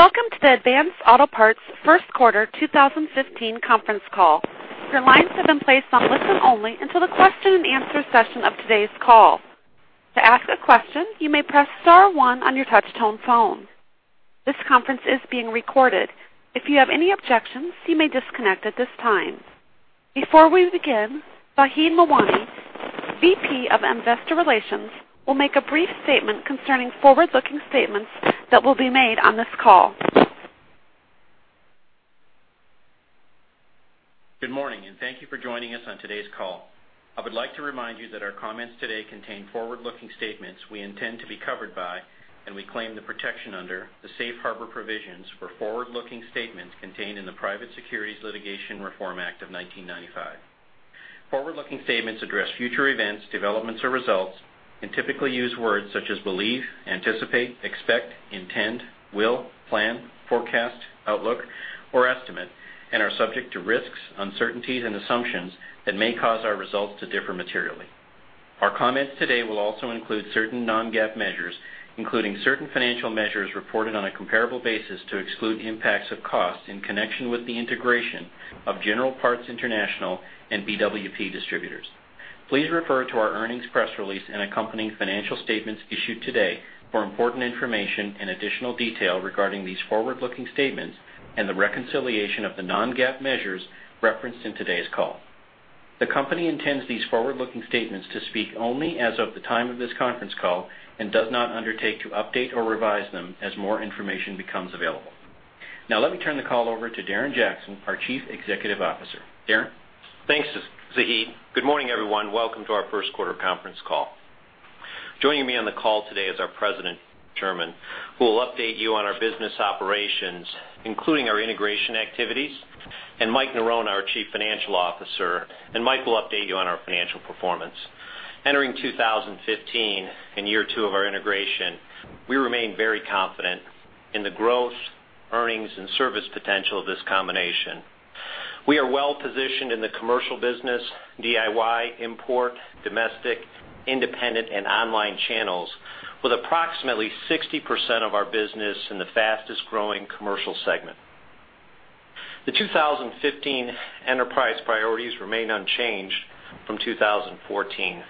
Welcome to the Advance Auto Parts first quarter 2015 conference call. Your lines have been placed on listen only until the question and answer session of today's call. To ask a question, you may press star one on your touch-tone phone. This conference is being recorded. If you have any objections, you may disconnect at this time. Before we begin, Zaheed Mawani, VP of Investor Relations, will make a brief statement concerning forward-looking statements that will be made on this call. Good morning. Thank you for joining us on today's call. I would like to remind you that our comments today contain forward-looking statements we intend to be covered by, and we claim the protection under, the safe harbor provisions for forward-looking statements contained in the Private Securities Litigation Reform Act of 1995. Forward-looking statements address future events, developments, or results and typically use words such as believe, anticipate, expect, intend, will, plan, forecast, outlook, or estimate, and are subject to risks, uncertainties, and assumptions that may cause our results to differ materially. Our comments today will also include certain non-GAAP measures, including certain financial measures reported on a comparable basis to exclude the impacts of costs in connection with the integration of General Parts International and BWP Distributors. Please refer to our earnings press release and accompanying financial statements issued today for important information and additional detail regarding these forward-looking statements and the reconciliation of the non-GAAP measures referenced in today's call. The company intends these forward-looking statements to speak only as of the time of this conference call and does not undertake to update or revise them as more information becomes available. Let me turn the call over to Darren Jackson, our Chief Executive Officer. Darren? Thanks, Zaheed. Good morning, everyone. Welcome to our first quarter conference call. Joining me on the call today is our President, George Sherman, who will update you on our business operations, including our integration activities, and Mike Norona, our Chief Financial Officer, and Mike will update you on our financial performance. Entering 2015 and year two of our integration, we remain very confident in the growth, earnings, and service potential of this combination. We are well-positioned in the commercial business, DIY, import, domestic, independent, and online channels, with approximately 60% of our business in the fastest-growing commercial segment. The 2015 enterprise priorities remain unchanged from 2014.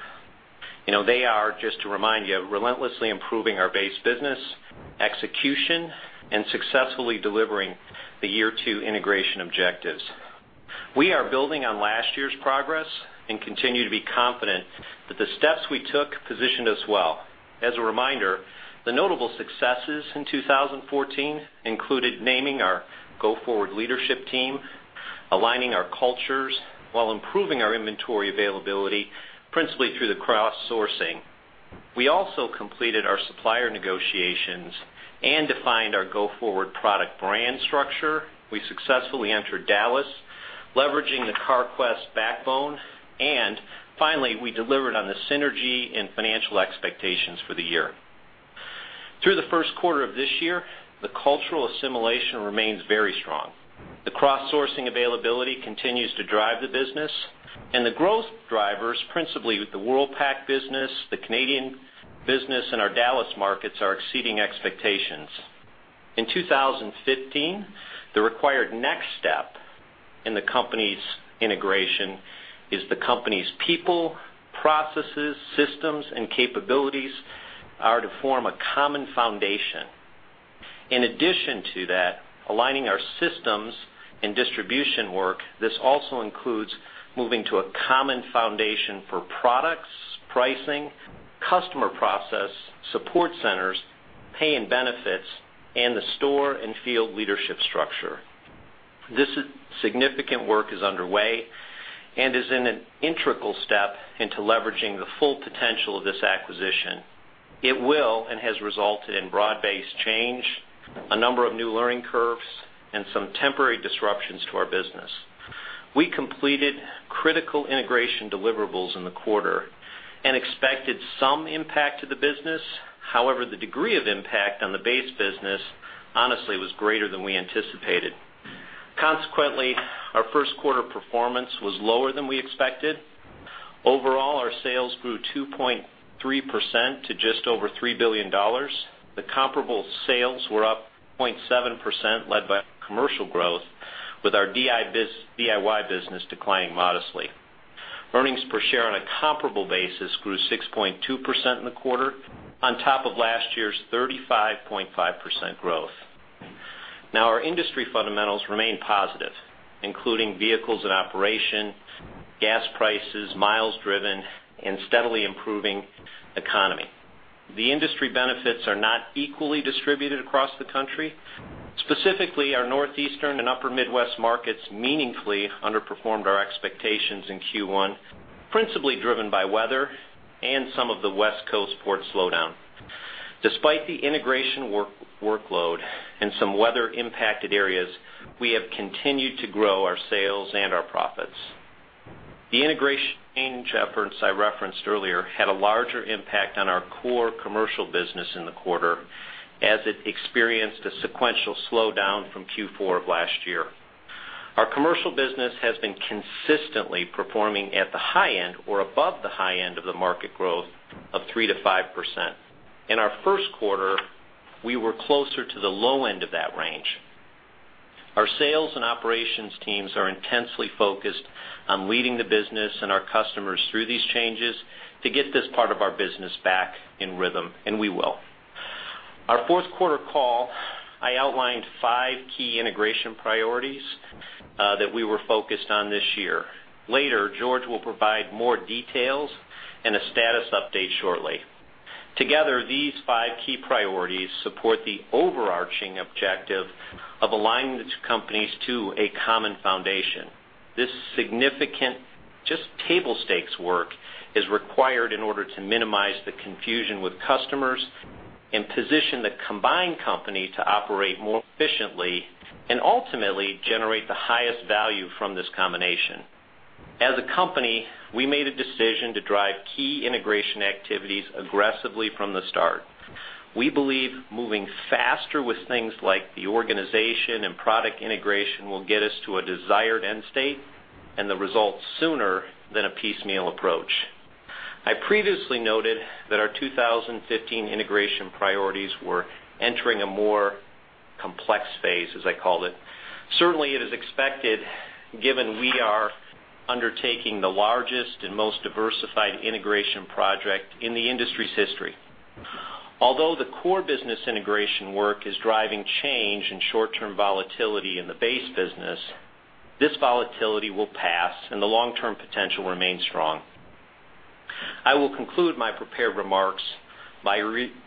They are, just to remind you, relentlessly improving our base business, execution, and successfully delivering the year two integration objectives. We are building on last year's progress and continue to be confident that the steps we took positioned us well. As a reminder, the notable successes in 2014 included naming our go-forward leadership team, aligning our cultures while improving our inventory availability, principally through the cross-sourcing. We also completed our supplier negotiations and defined our go-forward product brand structure. We successfully entered Dallas, leveraging the Carquest backbone, and finally, we delivered on the synergy and financial expectations for the year. Through the first quarter of this year, the cultural assimilation remains very strong. The cross-sourcing availability continues to drive the business, and the growth drivers, principally with the Worldpac business, the Canadian business, and our Dallas markets, are exceeding expectations. In 2015, the required next step in the company's integration is the company's people, processes, systems, and capabilities are to form a common foundation. In addition to that, aligning our systems and distribution work, this also includes moving to a common foundation for products, pricing, customer process, support centers, pay and benefits, and the store and field leadership structure. This significant work is underway and is an integral step into leveraging the full potential of this acquisition. It will and has resulted in broad-based change, a number of new learning curves, and some temporary disruptions to our business. We completed critical integration deliverables in the quarter and expected some impact to the business. However, the degree of impact on the base business, honestly, was greater than we anticipated. Consequently, our first quarter performance was lower than we expected. Overall, our sales grew 2.3% to just over $3 billion. The comparable sales were up 0.7%, led by commercial growth, with our DIY business declining modestly. Earnings per share on a comparable basis grew 6.2% in the quarter, on top of last year's 35.5% growth. Now, our industry fundamentals remain positive, including vehicles in operation, gas prices, miles driven, and steadily improving economy. The industry benefits are not equally distributed across the country. Specifically, our Northeastern and Upper Midwest markets meaningfully underperformed our expectations in Q1, principally driven by weather and some of the West Coast port slowdown. Despite the integration workload and some weather-impacted areas, we have continued to grow our sales and our profits. The integration change efforts I referenced earlier had a larger impact on our core commercial business in the quarter, as it experienced a sequential slowdown from Q4 of last year. Our commercial business has been consistently performing at the high end or above the high end of the market growth of 3%-5%. In our first quarter, we were closer to the low end of that range. Our sales and operations teams are intensely focused on leading the business and our customers through these changes to get this part of our business back in rhythm, and we will. Our fourth quarter call, I outlined five key integration priorities that we were focused on this year. Later, George will provide more details and a status update shortly. Together, these five key priorities support the overarching objective of aligning the two companies to a common foundation. This significant, just table stakes work, is required in order to minimize the confusion with customers and position the combined company to operate more efficiently and ultimately generate the highest value from this combination. As a company, we made a decision to drive key integration activities aggressively from the start. We believe moving faster with things like the organization and product integration will get us to a desired end state and the results sooner than a piecemeal approach. I previously noted that our 2015 integration priorities were entering a more complex phase, as I called it. Certainly, it is expected given we are undertaking the largest and most diversified integration project in the industry's history. Although the core business integration work is driving change and short-term volatility in the base business, this volatility will pass and the long-term potential remains strong. I will conclude my prepared remarks by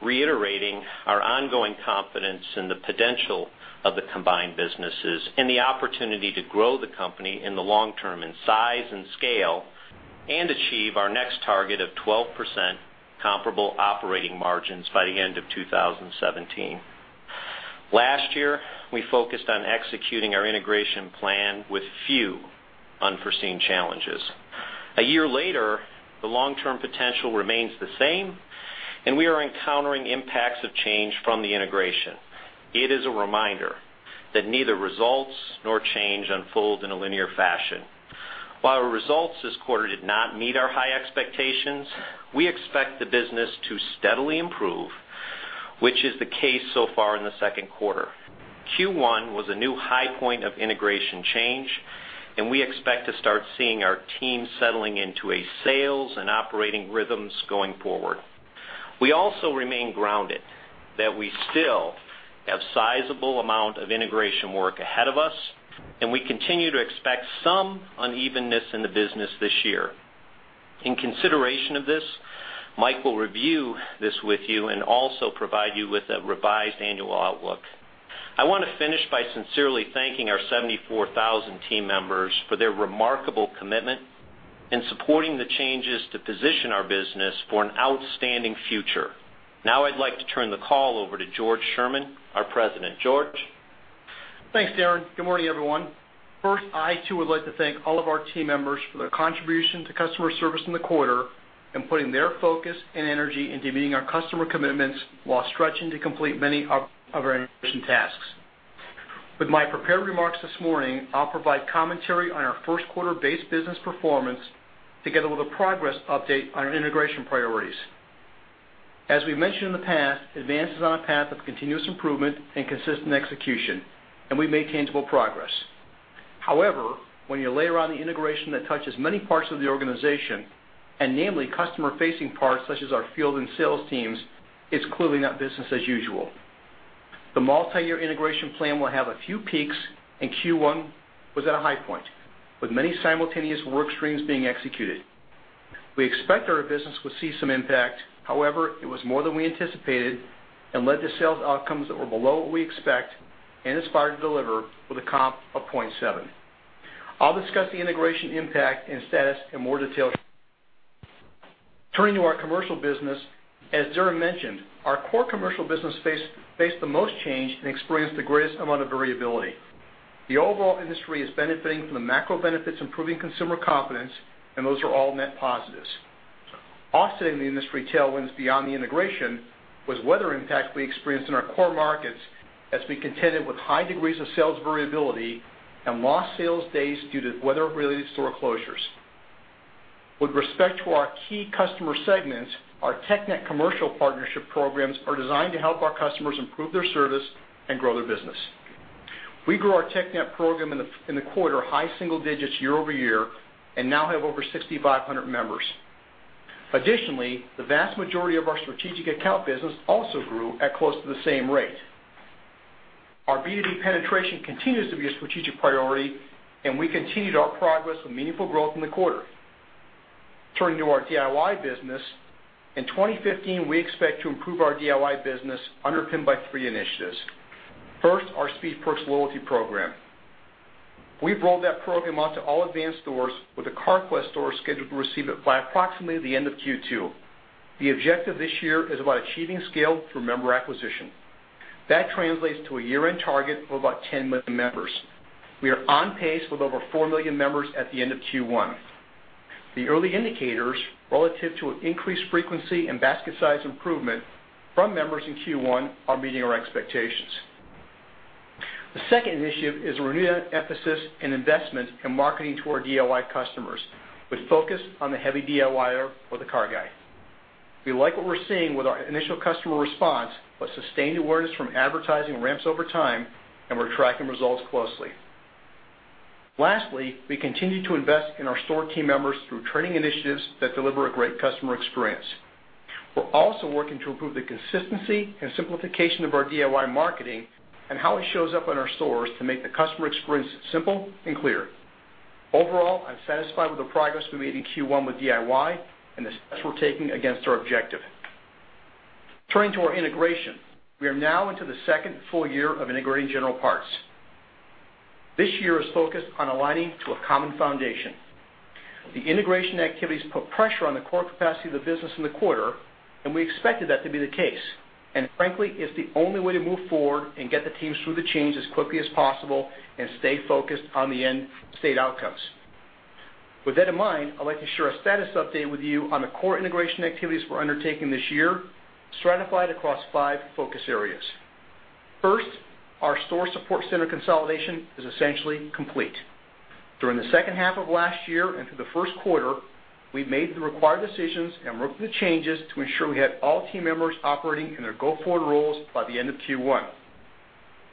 reiterating our ongoing confidence in the potential of the combined businesses and the opportunity to grow the company in the long term in size and scale and achieve our next target of 12% comparable operating margins by the end of 2017. Last year, we focused on executing our integration plan with few unforeseen challenges. A year later, the long-term potential remains the same, and we are encountering impacts of change from the integration. It is a reminder that neither results nor change unfold in a linear fashion. While our results this quarter did not meet our high expectations, we expect the business to steadily improve, which is the case so far in the second quarter. Q1 was a new high point of integration change, and we expect to start seeing our team settling into a sales and operating rhythms going forward. We also remain grounded that we still have sizable amount of integration work ahead of us, and we continue to expect some unevenness in the business this year. In consideration of this, Mike will review this with you and also provide you with a revised annual outlook. I want to finish by sincerely thanking our 74,000 team members for their remarkable commitment in supporting the changes to position our business for an outstanding future. Now I'd like to turn the call over to George Sherman, our President. George? Thanks, Darren. Good morning, everyone. First, I too would like to thank all of our team members for their contribution to customer service in the quarter and putting their focus and energy into meeting our customer commitments while stretching to complete many of our integration tasks. With my prepared remarks this morning, I'll provide commentary on our first quarter base business performance, together with a progress update on our integration priorities. As we've mentioned in the past, Advance is on a path of continuous improvement and consistent execution, and we've made tangible progress. However, when you layer on the integration that touches many parts of the organization, and namely customer-facing parts such as our field and sales teams, it's clearly not business as usual. The multi-year integration plan will have a few peaks, and Q1 was at a high point, with many simultaneous work streams being executed. We expect that our business would see some impact. However, it was more than we anticipated and led to sales outcomes that were below what we expect and aspire to deliver with a comp of 0.7. I'll discuss the integration impact and status in more detail. Turning to our commercial business, as Darren mentioned, our core commercial business faced the most change and experienced the greatest amount of variability. The overall industry is benefiting from the macro benefits improving consumer confidence. Those are all net positives. Offsetting the industry tailwinds beyond the integration was weather impact we experienced in our core markets as we contended with high degrees of sales variability and lost sales days due to weather-related store closures. With respect to our key customer segments, our TechNet commercial partnership programs are designed to help our customers improve their service and grow their business. We grew our TechNet program in the quarter high single digits year-over-year and now have over 6,500 members. Additionally, the vast majority of our strategic account business also grew at close to the same rate. Our B2B penetration continues to be a strategic priority. We continued our progress with meaningful growth in the quarter. Turning to our DIY business, in 2015, we expect to improve our DIY business underpinned by three initiatives. First, our SpeedPerks loyalty program. We've rolled that program out to all Advance stores, with the Carquest stores scheduled to receive it by approximately the end of Q2. The objective this year is about achieving scale through member acquisition. That translates to a year-end target of about 10 million members. We are on pace with over four million members at the end of Q1. The early indicators relative to increased frequency and basket size improvement from members in Q1 are meeting our expectations. The second initiative is a renewed emphasis and investment in marketing to our DIY customers, with focus on the heavy DIYer or the car guy. We like what we're seeing with our initial customer response. Sustained awareness from advertising ramps over time, and we're tracking results closely. Lastly, we continue to invest in our store team members through training initiatives that deliver a great customer experience. We're also working to improve the consistency and simplification of our DIY marketing and how it shows up in our stores to make the customer experience simple and clear. Overall, I'm satisfied with the progress we made in Q1 with DIY and the steps we're taking against our objective. Turning to our integration, we are now into the second full year of integrating General Parts. This year is focused on aligning to a common foundation. The integration activities put pressure on the core capacity of the business in the quarter. We expected that to be the case. Frankly, it's the only way to move forward and get the teams through the change as quickly as possible and stay focused on the end state outcomes. With that in mind, I'd like to share a status update with you on the core integration activities we're undertaking this year, stratified across five focus areas. First, our store support center consolidation is essentially complete. During the second half of last year and through the first quarter, we made the required decisions and worked through the changes to ensure we had all team members operating in their go-forward roles by the end of Q1.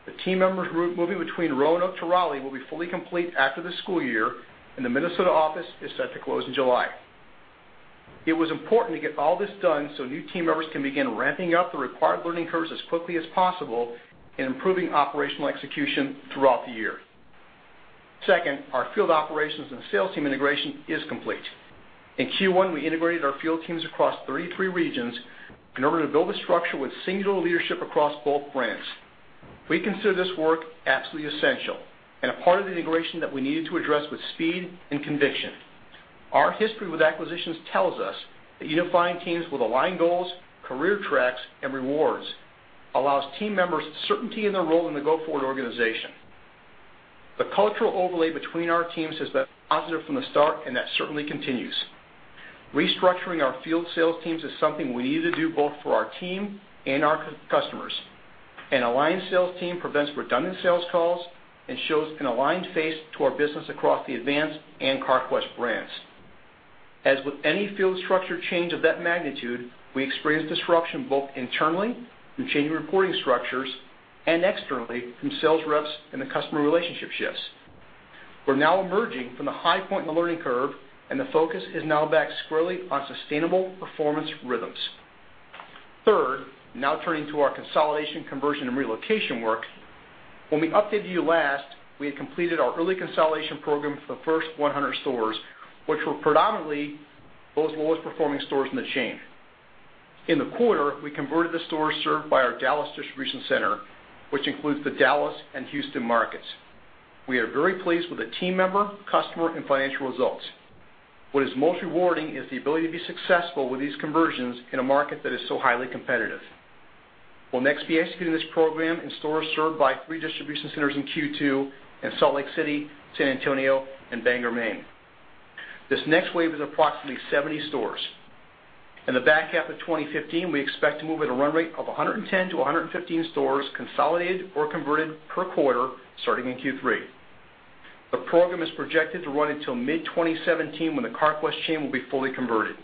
The team members moving between Roanoke to Raleigh will be fully complete after the school year, and the Minnesota office is set to close in July. It was important to get all this done so new team members can begin ramping up the required learning curves as quickly as possible and improving operational execution throughout the year. Second, our field operations and sales team integration is complete. In Q1, we integrated our field teams across 33 regions in order to build a structure with singular leadership across both brands. We consider this work absolutely essential and a part of the integration that we needed to address with speed and conviction. Our history with acquisitions tells us that unifying teams with aligned goals, career tracks, and rewards allows team members certainty in their role in the go-forward organization. The cultural overlay between our teams has been positive from the start, and that certainly continues. Restructuring our field sales teams is something we need to do both for our team and our customers. An aligned sales team prevents redundant sales calls and shows an aligned face to our business across the Advance and Carquest brands. As with any field structure change of that magnitude, we experienced disruption both internally through changing reporting structures and externally from sales reps and the customer relationship shifts. We're now emerging from the high point in the learning curve, and the focus is now back squarely on sustainable performance rhythms. Third, now turning to our consolidation, conversion, and relocation work. When we updated you last, we had completed our early consolidation program for the first 100 stores, which were predominantly those lowest performing stores in the chain. In the quarter, we converted the stores served by our Dallas distribution center, which includes the Dallas and Houston markets. We are very pleased with the team member, customer, and financial results. What is most rewarding is the ability to be successful with these conversions in a market that is so highly competitive. We'll next be executing this program in stores served by three distribution centers in Q2 in Salt Lake City, San Antonio, and Bangor, Maine. This next wave is approximately 70 stores. In the back half of 2015, we expect to move at a run rate of 110-115 stores consolidated or converted per quarter starting in Q3. The program is projected to run until mid-2017 when the Carquest chain will be fully converted.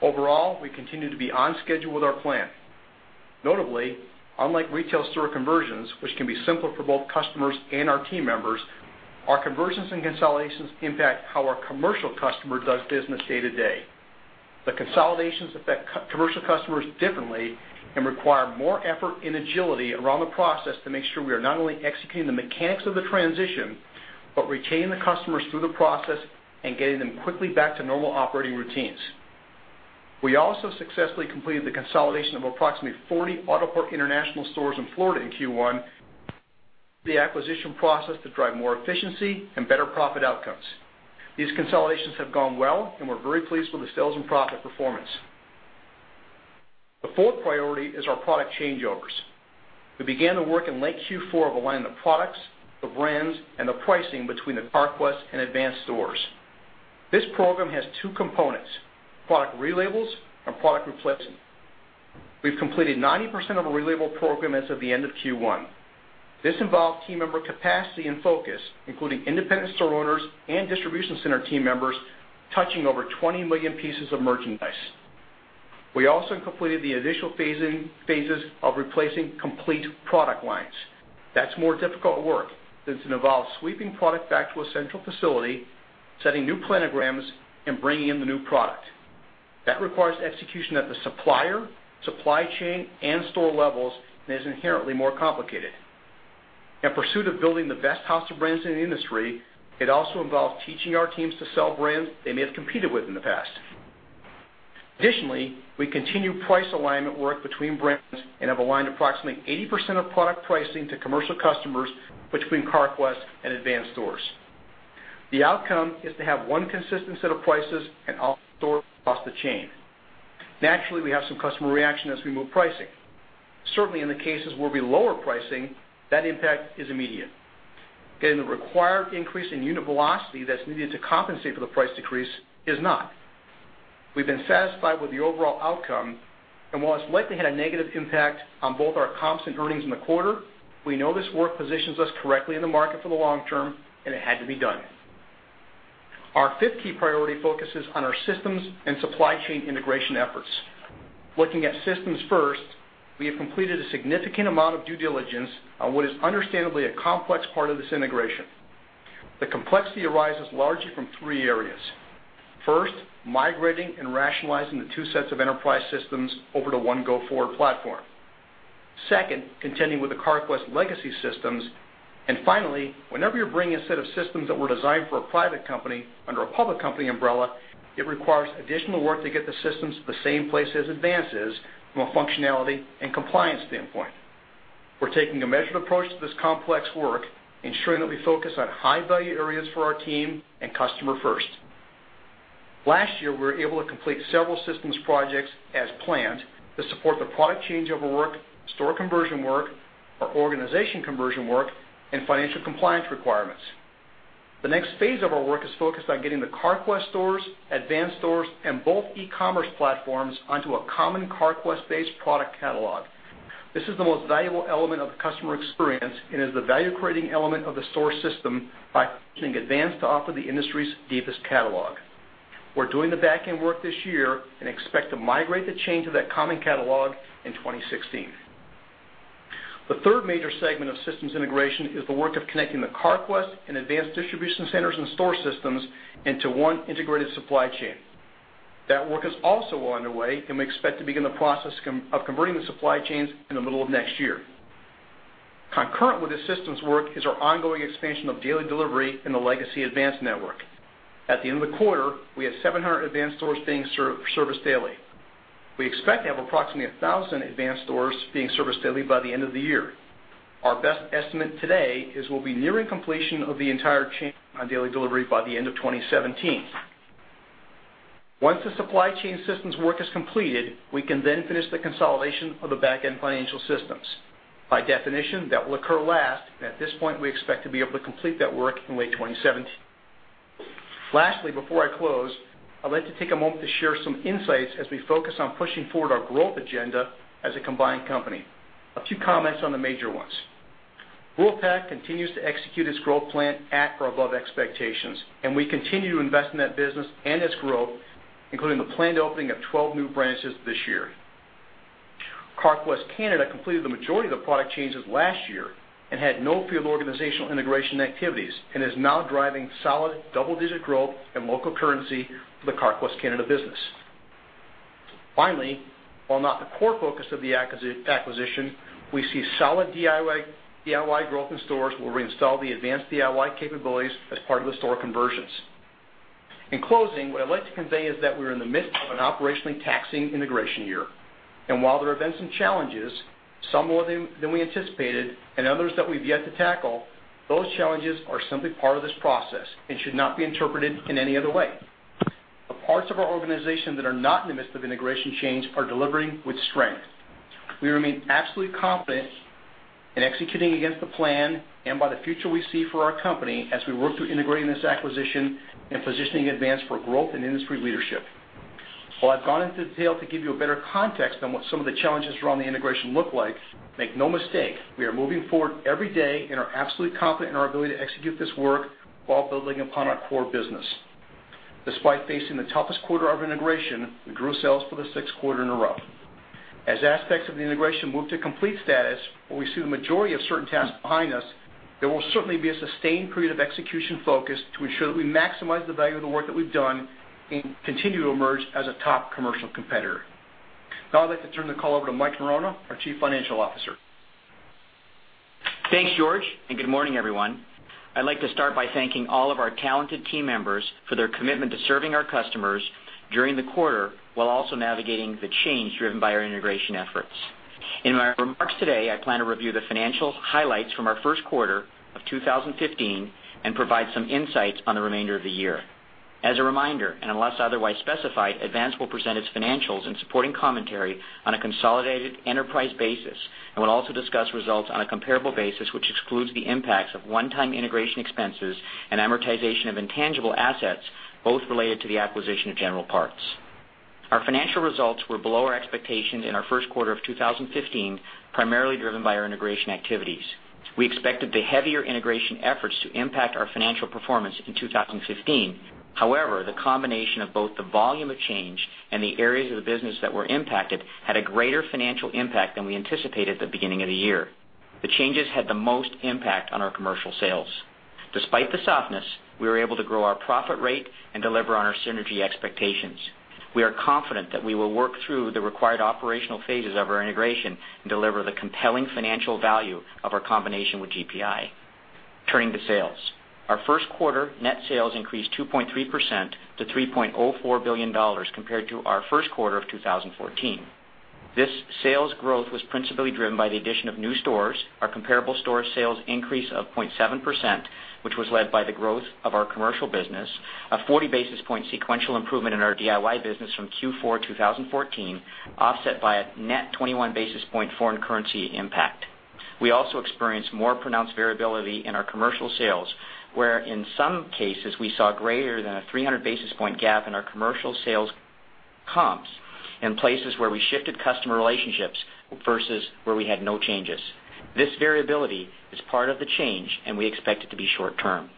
Overall, we continue to be on schedule with our plan. Notably, unlike retail store conversions, which can be simpler for both customers and our team members, our conversions and consolidations impact how our commercial customer does business day to day. The consolidations affect commercial customers differently and require more effort and agility around the process to make sure we are not only executing the mechanics of the transition, but retaining the customers through the process and getting them quickly back to normal operating routines. We also successfully completed the consolidation of approximately 40 Autopart International stores in Florida in Q1. The acquisition process to drive more efficiency and better profit outcomes. These consolidations have gone well, and we're very pleased with the sales and profit performance. The fourth priority is our product changeovers. We began the work in late Q4 of aligning the products, the brands, and the pricing between the Carquest and Advance stores. This program has two components, product relabels and product replacement. We've completed 90% of the relabel program as of the end of Q1. This involved team member capacity and focus, including independent store owners and distribution center team members touching over 20 million pieces of merchandise. We also completed the initial phases of replacing complete product lines. That's more difficult work since it involves sweeping product back to a central facility, setting new planograms, and bringing in the new product. That requires execution at the supplier, supply chain, and store levels and is inherently more complicated. In pursuit of building the best house of brands in the industry, it also involves teaching our teams to sell brands they may have competed with in the past. Additionally, we continue price alignment work between brands and have aligned approximately 80% of product pricing to commercial customers between Carquest and Advance stores. The outcome is to have one consistent set of prices in all stores across the chain. Naturally, we have some customer reaction as we move pricing. Certainly, in the cases where we lower pricing, that impact is immediate. Getting the required increase in unit velocity that's needed to compensate for the price decrease is not. We've been satisfied with the overall outcome, and while it's likely had a negative impact on both our comps and earnings in the quarter, we know this work positions us correctly in the market for the long term, and it had to be done. Our fifth key priority focuses on our systems and supply chain integration efforts. Looking at systems first, we have completed a significant amount of due diligence on what is understandably a complex part of this integration. The complexity arises largely from three areas. First, migrating and rationalizing the two sets of enterprise systems over to one go-forward platform. Second, contending with the Carquest legacy systems. Finally, whenever you're bringing a set of systems that were designed for a private company under a public company umbrella, it requires additional work to get the systems to the same place as Advance's from a functionality and compliance standpoint. We're taking a measured approach to this complex work, ensuring that we focus on high-value areas for our team and customer first. Last year, we were able to complete several systems projects as planned to support the product changeover work, store conversion work, our organization conversion work, and financial compliance requirements. The next phase of our work is focused on getting the Carquest stores, Advance stores, and both e-commerce platforms onto a common Carquest-based product catalog. This is the most valuable element of the customer experience and is the value-creating element of the store system by positioning Advance to offer the industry's deepest catalog. We're doing the back-end work this year and expect to migrate the chain to that common catalog in 2016. The third major segment of systems integration is the work of connecting the Carquest and Advance distribution centers and store systems into one integrated supply chain. That work is also well underway, and we expect to begin the process of converting the supply chains in the middle of next year. Concurrent with the systems work is our ongoing expansion of daily delivery in the legacy Advance network. At the end of the quarter, we had 700 Advance stores being serviced daily. We expect to have approximately 1,000 Advance stores being serviced daily by the end of the year. Our best estimate today is we'll be nearing completion of the entire chain on daily delivery by the end of 2017. Once the supply chain systems work is completed, we can then finish the consolidation of the back-end financial systems. By definition, that will occur last, and at this point, we expect to be able to complete that work in late 2017. Lastly, before I close, I'd like to take a moment to share some insights as we focus on pushing forward our growth agenda as a combined company. A few comments on the major ones. Worldpac continues to execute its growth plan at or above expectations, and we continue to invest in that business and its growth, including the planned opening of 12 new branches this year. Carquest Canada completed the majority of the product changes last year and had no field organizational integration activities and is now driving solid double-digit growth and local currency for the Carquest Canada business. Finally, while not the core focus of the acquisition, we see solid DIY growth in stores where we installed the Advance DIY capabilities as part of the store conversions. In closing, what I'd like to convey is that we're in the midst of an operationally taxing integration year. While there have been some challenges, some more than we anticipated and others that we've yet to tackle, those challenges are simply part of this process and should not be interpreted in any other way. The parts of our organization that are not in the midst of integration change are delivering with strength. We remain absolutely confident in executing against the plan and by the future we see for our company as we work through integrating this acquisition and positioning Advance for growth and industry leadership. While I've gone into detail to give you a better context on what some of the challenges around the integration look like, make no mistake, we are moving forward every day and are absolutely confident in our ability to execute this work while building upon our core business. Despite facing the toughest quarter of integration, we grew sales for the sixth quarter in a row. As aspects of the integration move to complete status, where we see the majority of certain tasks behind us, there will certainly be a sustained period of execution focus to ensure that we maximize the value of the work that we've done and continue to emerge as a top commercial competitor. Now I'd like to turn the call over to Mike Norona, our chief financial officer. Thanks, George, and good morning, everyone. I'd like to start by thanking all of our talented team members for their commitment to serving our customers during the quarter, while also navigating the change driven by our integration efforts. In my remarks today, I plan to review the financial highlights from our first quarter of 2015 and provide some insights on the remainder of the year. As a reminder, unless otherwise specified, Advance will present its financials and supporting commentary on a consolidated enterprise basis and will also discuss results on a comparable basis, which excludes the impacts of one-time integration expenses and amortization of intangible assets, both related to the acquisition of General Parts. Our financial results were below our expectations in our first quarter of 2015, primarily driven by our integration activities. We expected the heavier integration efforts to impact our financial performance in 2015. The combination of both the volume of change and the areas of the business that were impacted had a greater financial impact than we anticipated at the beginning of the year. The changes had the most impact on our commercial sales. Despite the softness, we were able to grow our profit rate and deliver on our synergy expectations. We are confident that we will work through the required operational phases of our integration and deliver the compelling financial value of our combination with GPI. Turning to sales. Our first quarter net sales increased 2.3% to $3.04 billion compared to our first quarter of 2014. This sales growth was principally driven by the addition of new stores, our comparable store sales increase of 0.7%, which was led by the growth of our commercial business, a 40 basis point sequential improvement in our DIY business from Q4 2014, offset by a net 21 basis point foreign currency impact. We also experienced more pronounced variability in our commercial sales, where in some cases, we saw greater than a 300 basis point gap in our commercial sales comps in places where we shifted customer relationships versus where we had no changes. This variability is part of the change, and we expect it to be short-term.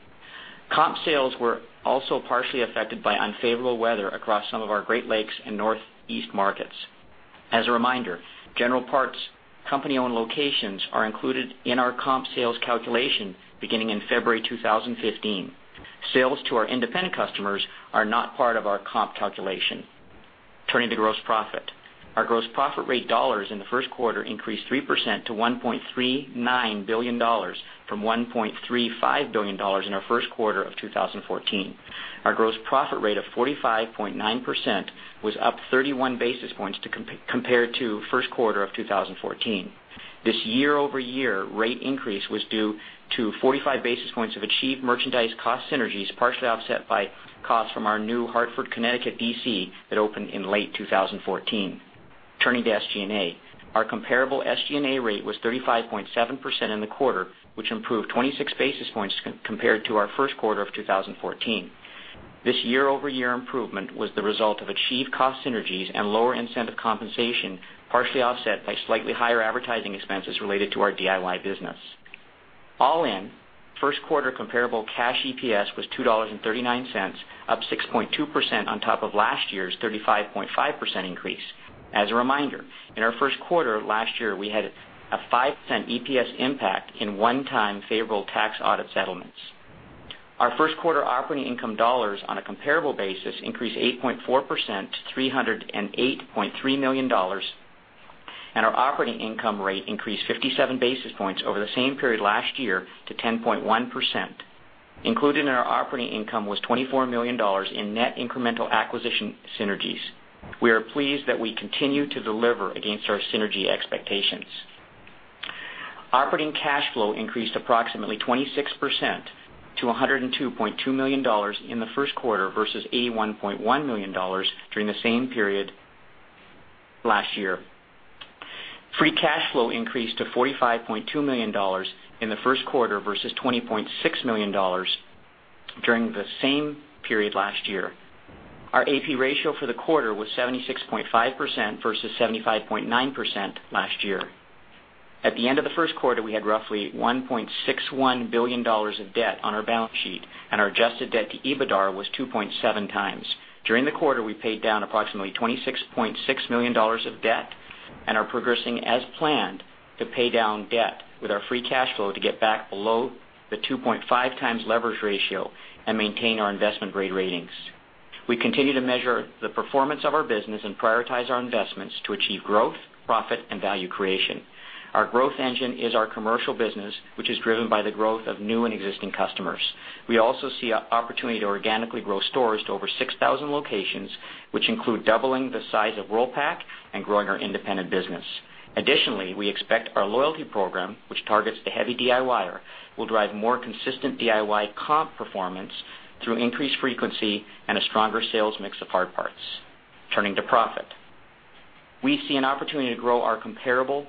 Comp sales were also partially affected by unfavorable weather across some of our Great Lakes and Northeast markets. As a reminder, General Parts company-owned locations are included in our comp sales calculation beginning in February 2015. Sales to our independent customers are not part of our comp calculation. Turning to gross profit. Our gross profit rate dollars in the first quarter increased 3% to $1.39 billion from $1.35 billion in our first quarter of 2014. Our gross profit rate of 45.9% was up 31 basis points compared to first quarter of 2014. This year-over-year rate increase was due to 45 basis points of achieved merchandise cost synergies, partially offset by costs from our new Hartford, Connecticut, DC, that opened in late 2014. Turning to SG&A. Our comparable SG&A rate was 35.7% in the quarter, which improved 26 basis points compared to our first quarter of 2014. This year-over-year improvement was the result of achieved cost synergies and lower incentive compensation, partially offset by slightly higher advertising expenses related to our DIY business. All in, first quarter comparable cash EPS was $2.39, up 6.2% on top of last year's 35.5% increase. As a reminder, in our first quarter last year, we had a 5% EPS impact in one-time favorable tax audit settlements. Our first quarter operating income dollars on a comparable basis increased 8.4% to $308.3 million, and our operating income rate increased 57 basis points over the same period last year to 10.1%. Included in our operating income was $24 million in net incremental acquisition synergies. We are pleased that we continue to deliver against our synergy expectations. Operating cash flow increased approximately 26% to $102.2 million in the first quarter versus $81.1 million during the same period last year. Free cash flow increased to $45.2 million in the first quarter versus $20.6 million during the same period last year. Our AP ratio for the quarter was 76.5% versus 75.9% last year. At the end of the first quarter, we had roughly $1.61 billion of debt on our balance sheet, and our adjusted debt to EBITDAR was 2.7 times. During the quarter, we paid down approximately $26.6 million of debt and are progressing as planned to pay down debt with our free cash flow to get back below the 2.5 times leverage ratio and maintain our investment-grade ratings. We continue to measure the performance of our business and prioritize our investments to achieve growth, profit, and value creation. Our growth engine is our commercial business, which is driven by the growth of new and existing customers. We also see an opportunity to organically grow stores to over 6,000 locations, which include doubling the size of Worldpac and growing our independent business. Additionally, we expect our loyalty program, which targets the heavy DIYer, will drive more consistent DIY comp performance through increased frequency and a stronger sales mix of hard parts. Turning to profit. We see an opportunity to grow our comparable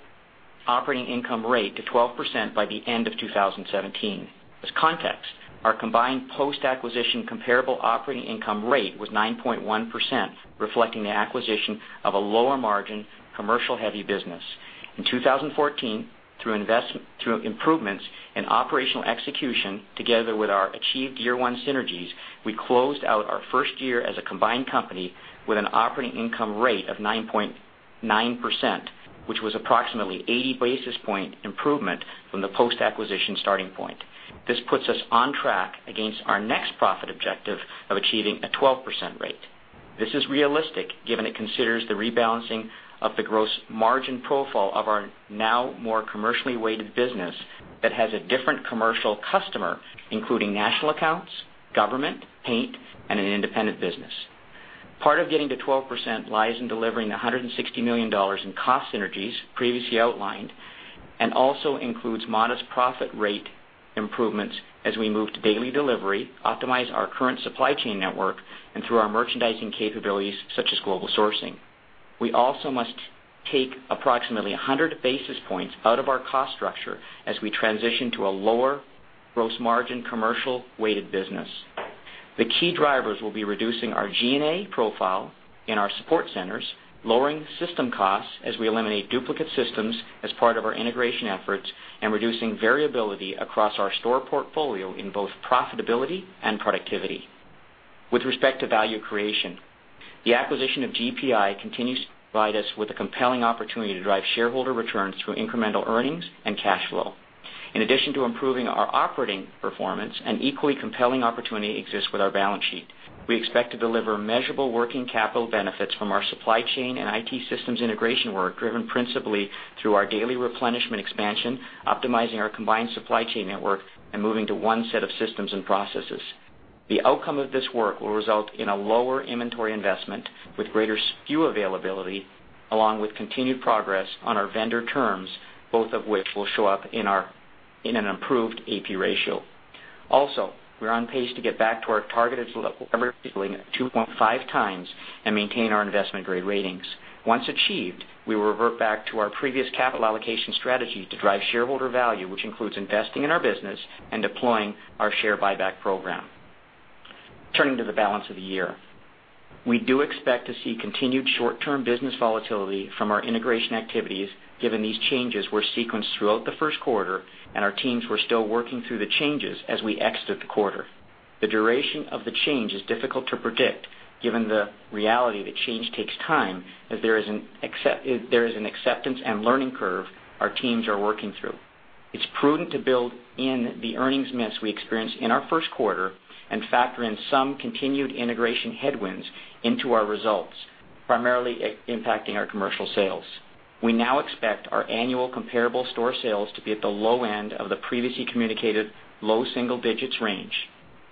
operating income rate to 12% by the end of 2017. As context, our combined post-acquisition comparable operating income rate was 9.1%, reflecting the acquisition of a lower margin commercial-heavy business. In 2014, through improvements in operational execution together with our achieved year one synergies, we closed out our first year as a combined company with an operating income rate of 9.9%, which was approximately 80 basis point improvement from the post-acquisition starting point. This puts us on track against our next profit objective of achieving a 12% rate. This is realistic given it considers the rebalancing of the gross margin profile of our now more commercially weighted business that has a different commercial customer, including national accounts, government, paint, and an independent business. Part of getting to 12% lies in delivering the $160 million in cost synergies previously outlined, and also includes modest profit rate improvements as we move to daily delivery, optimize our current supply chain network, and through our merchandising capabilities such as global sourcing. We also must take approximately 100 basis points out of our cost structure as we transition to a lower gross margin commercial weighted business. The key drivers will be reducing our G&A profile in our support centers, lowering system costs as we eliminate duplicate systems as part of our integration efforts, and reducing variability across our store portfolio in both profitability and productivity. With respect to value creation, the acquisition of GPI continues to provide us with a compelling opportunity to drive shareholder returns through incremental earnings and cash flow. In addition to improving our operating performance, an equally compelling opportunity exists with our balance sheet. We expect to deliver measurable working capital benefits from our supply chain and IT systems integration work, driven principally through our daily replenishment expansion, optimizing our combined supply chain network, and moving to one set of systems and processes. The outcome of this work will result in a lower inventory investment with greater SKU availability, along with continued progress on our vendor terms, both of which will show up in an improved AP ratio. Also, we're on pace to get back to our targeted level of 2.5 times and maintain our investment-grade ratings. Once achieved, we will revert back to our previous capital allocation strategy to drive shareholder value, which includes investing in our business and deploying our share buyback program. Turning to the balance of the year. We do expect to see continued short-term business volatility from our integration activities, given these changes were sequenced throughout the first quarter, and our teams were still working through the changes as we exited the quarter. The duration of the change is difficult to predict given the reality that change takes time, as there is an acceptance and learning curve our teams are working through. It's prudent to build in the earnings miss we experienced in our first quarter and factor in some continued integration headwinds into our results, primarily impacting our commercial sales. We now expect our annual comparable store sales to be at the low end of the previously communicated low single digits range.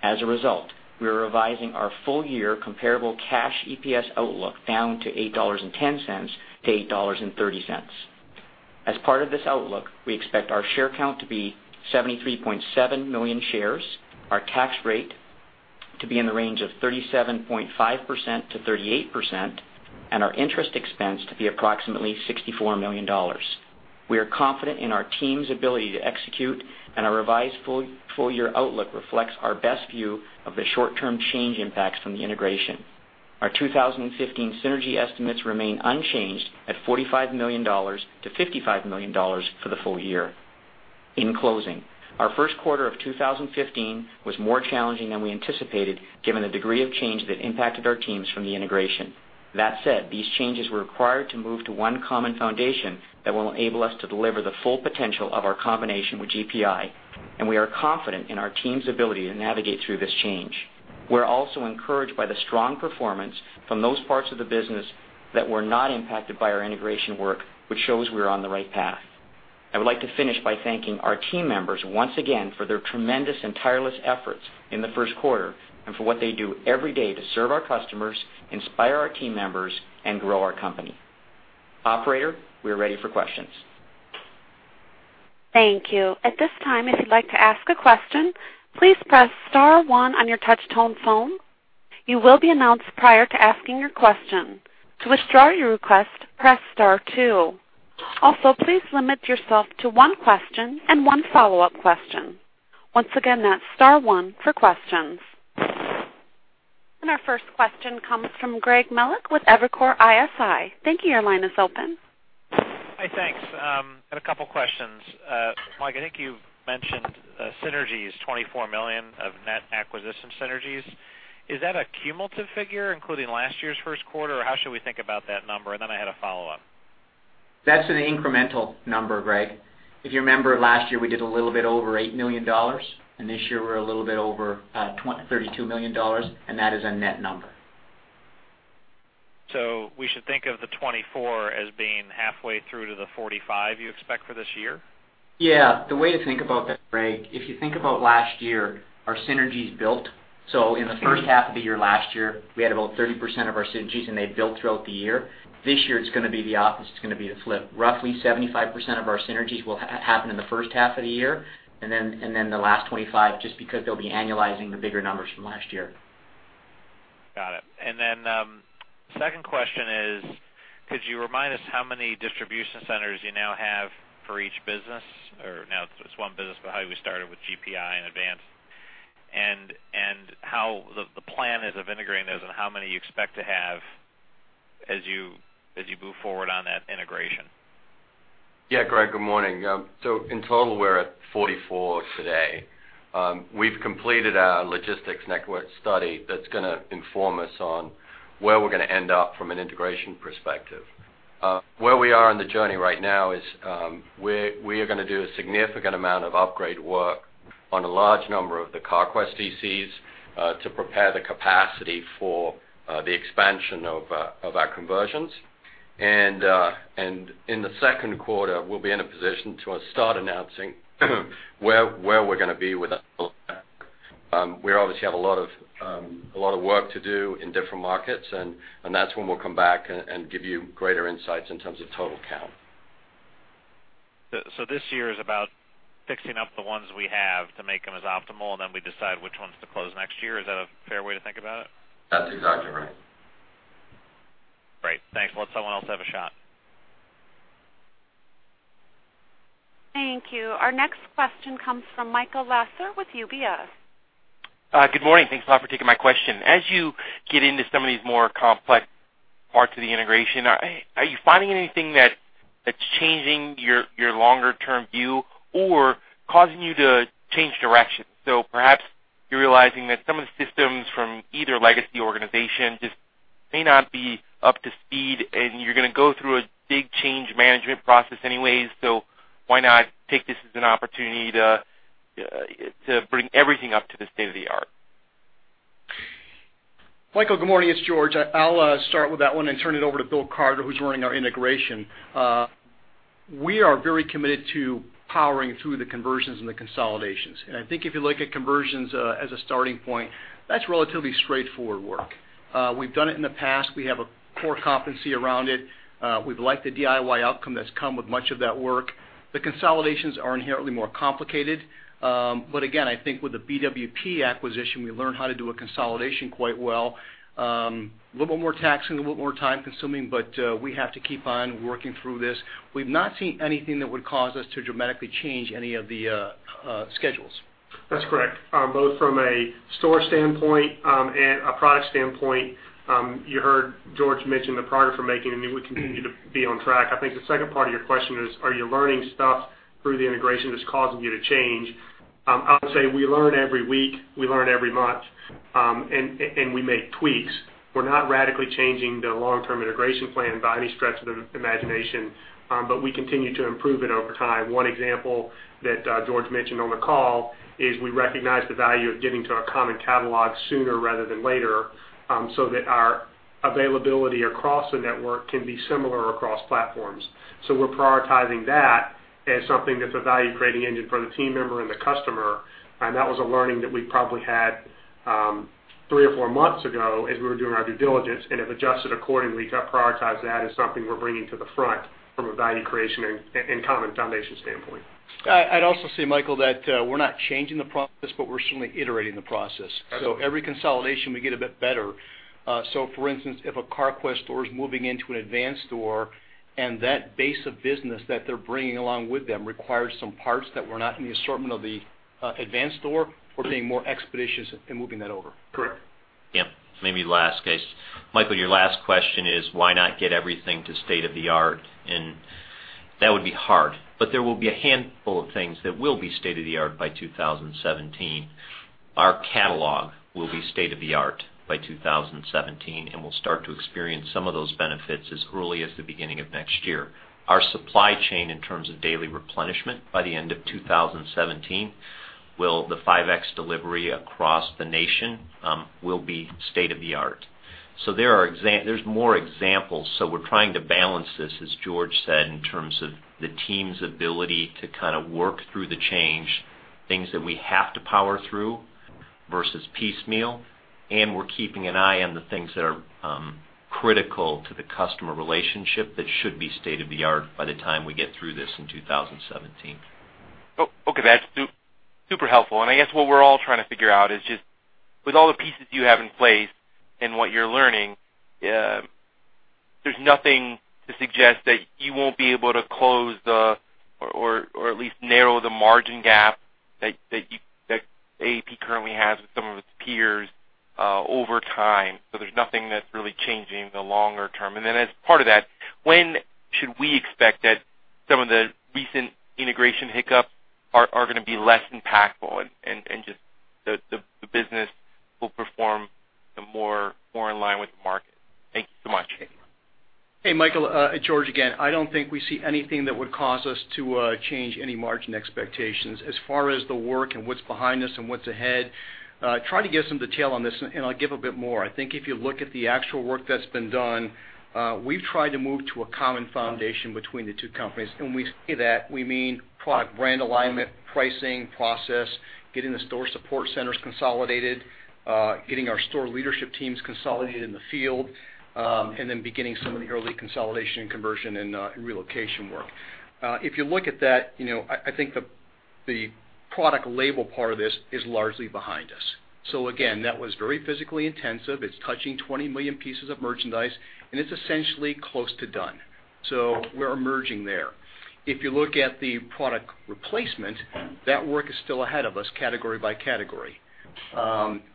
As a result, we are revising our full year comparable cash EPS outlook down to $8.10-$8.30. As part of this outlook, we expect our share count to be 73.7 million shares, our tax rate to be in the range of 37.5%-38%, and our interest expense to be approximately $64 million. We are confident in our team's ability to execute, and our revised full year outlook reflects our best view of the short-term change impacts from the integration. Our 2015 synergy estimates remain unchanged at $45 million-$55 million for the full year. In closing, our first quarter of 2015 was more challenging than we anticipated given the degree of change that impacted our teams from the integration. That said, these changes were required to move to one common foundation that will enable us to deliver the full potential of our combination with GPI, and we are confident in our team's ability to navigate through this change. We're also encouraged by the strong performance from those parts of the business that were not impacted by our integration work, which shows we are on the right path. I would like to finish by thanking our team members once again for their tremendous and tireless efforts in the first quarter and for what they do every day to serve our customers, inspire our team members, and grow our company. Operator, we are ready for questions. Thank you. At this time, if you'd like to ask a question, please press *1 on your touch-tone phone. You will be announced prior to asking your question. To withdraw your request, press *2. Also, please limit yourself to one question and one follow-up question. Once again, that's *1 for questions. Our first question comes from Greg Melich with Evercore ISI. Thank you. Your line is open. Hi, thanks. I have a couple questions. Mike, I think you've mentioned synergies, $24 million of net acquisition synergies. Is that a cumulative figure, including last year's first quarter, or how should we think about that number? I had a follow-up. That's an incremental number, Greg. If you remember last year, we did a little bit over $8 million, and this year we're a little bit over $32 million, and that is a net number. We should think of the $24 as being halfway through to the $45 you expect for this year? Yeah. The way to think about that, Greg, if you think about last year, our synergies built. In the first half of the year last year, we had about 30% of our synergies and they built throughout the year. This year, it's going to be the opposite. It's going to be the flip. Roughly 75% of our synergies will happen in the first half of the year, the last 25, just because they'll be annualizing the bigger numbers from last year. Got it. The second question is, could you remind us how many distribution centers you now have for each business? Or now it's one business, but how you started with GPI in advance and how the plan is of integrating those and how many you expect to have as you move forward on that integration? Yeah, Greg, good morning. In total, we're at 44 today. We've completed our logistics network study that's going to inform us on where we're going to end up from an integration perspective. Where we are on the journey right now is, we are going to do a significant amount of upgrade work on a large number of the Carquest DCs to prepare the capacity for the expansion of our conversions. In the second quarter, we'll be in a position to start announcing where we're going to be with that. We obviously have a lot of work to do in different markets, that's when we'll come back and give you greater insights in terms of total count. This year is about fixing up the ones we have to make them as optimal, we decide which ones to close next year. Is that a fair way to think about it? That's exactly right. Great. Thanks. Let someone else have a shot. Thank you. Our next question comes from Michael Lasser with UBS. Good morning. Thanks a lot for taking my question. As you get into some of these more complex parts of the integration, are you finding anything that's changing your longer-term view or causing you to change direction? Perhaps you're realizing that some of the systems from either legacy organization just may not be up to speed, and you're going to go through a big change management process anyway, so why not take this as an opportunity to bring everything up to the state of the art? Michael, good morning. It's George. I'll start with that one and turn it over to Bill Carter, who's running our integration. We are very committed to powering through the conversions and the consolidations. I think if you look at conversions as a starting point, that's relatively straightforward work. We've done it in the past. We have a core competency around it. We've liked the DIY outcome that's come with much of that work. The consolidations are inherently more complicated. Again, I think with the BWP acquisition, we learned how to do a consolidation quite well. A little more taxing, a little more time-consuming, but we have to keep on working through this. We've not seen anything that would cause us to dramatically change any of the schedules. That's correct. Both from a store standpoint and a product standpoint, you heard George mention the progress we're making, and we continue to be on track. I think the second part of your question is, are you learning stuff through the integration that's causing you to change? I would say we learn every week, we learn every month, and we make tweaks. We're not radically changing the long-term integration plan by any stretch of the imagination, but we continue to improve it over time. One example that George mentioned on the call is we recognize the value of getting to our common catalog sooner rather than later, so that our availability across the network can be similar across platforms. We're prioritizing that as something that's a value-creating engine for the team member and the customer. That was a learning that we probably had three or four months ago as we were doing our due diligence and have adjusted accordingly to prioritize that as something we're bringing to the front from a value creation and common foundation standpoint. I'd also say, Michael, that we're not changing the process, we're certainly iterating the process. Every consolidation, we get a bit better. For instance, if a Carquest store is moving into an Advance store and that base of business that they're bringing along with them requires some parts that were not in the assortment of the Advance store, we're being more expeditious in moving that over. Correct. Yeah. Maybe the last case. Michael, your last question is why not get everything to state-of-the-art? That would be hard, but there will be a handful of things that will be state-of-the-art by 2017. Our catalog will be state-of-the-art by 2017, we'll start to experience some of those benefits as early as the beginning of next year. Our supply chain, in terms of daily replenishment, by the end of 2017, the 5X delivery across the nation will be state-of-the-art. There's more examples. We're trying to balance this, as George said, in terms of the team's ability to kind of work through the change, things that we have to power through versus piecemeal, and we're keeping an eye on the things that are critical to the customer relationship that should be state-of-the-art by the time we get through this in 2017. Okay. That's super helpful. I guess what we're all trying to figure out is just with all the pieces you have in place and what you're learning, there's nothing to suggest that you won't be able to close or at least narrow the margin gap that AAP currently has with some of its peers over time. There's nothing that's really changing the longer term. Then as part of that, when should we expect that some of the recent integration hiccups are going to be less impactful and just the business will perform more in line with the market? Thank you so much. Hey, Michael. George again. I don't think we see anything that would cause us to change any margin expectations. As far as the work and what's behind us and what's ahead, try to give some detail on this, I'll give a bit more. I think if you look at the actual work that's been done, we've tried to move to a common foundation between the two companies. When we say that, we mean product brand alignment, pricing, process, getting the store support centers consolidated, getting our store leadership teams consolidated in the field, and then beginning some of the early consolidation and conversion and relocation work. If you look at that, I think the product label part of this is largely behind us. Again, that was very physically intensive. It's touching 20 million pieces of merchandise, it's essentially close to done. We're emerging there. If you look at the product replacement, that work is still ahead of us category by category.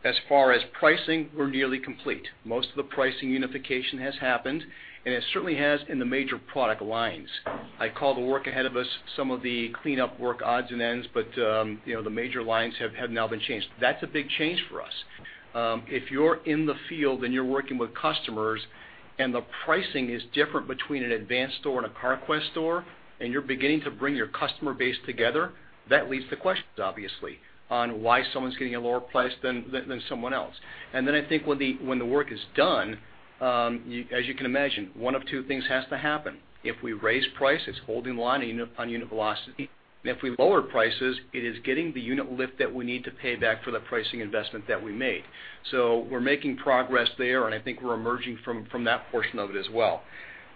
As far as pricing, we're nearly complete. Most of the pricing unification has happened, it certainly has in the major product lines. I call the work ahead of us some of the cleanup work odds and ends, but the major lines have now been changed. That's a big change for us. If you're in the field and you're working with customers and the pricing is different between an Advance store and a Carquest store, and you're beginning to bring your customer base together, that leads to questions, obviously, on why someone's getting a lower price than someone else. Then I think when the work is done, as you can imagine, one of two things has to happen. If we raise price, it's holding the line on unit velocity. If we lower prices, it is getting the unit lift that we need to pay back for the pricing investment that we made. We're making progress there, and I think we're emerging from that portion of it as well.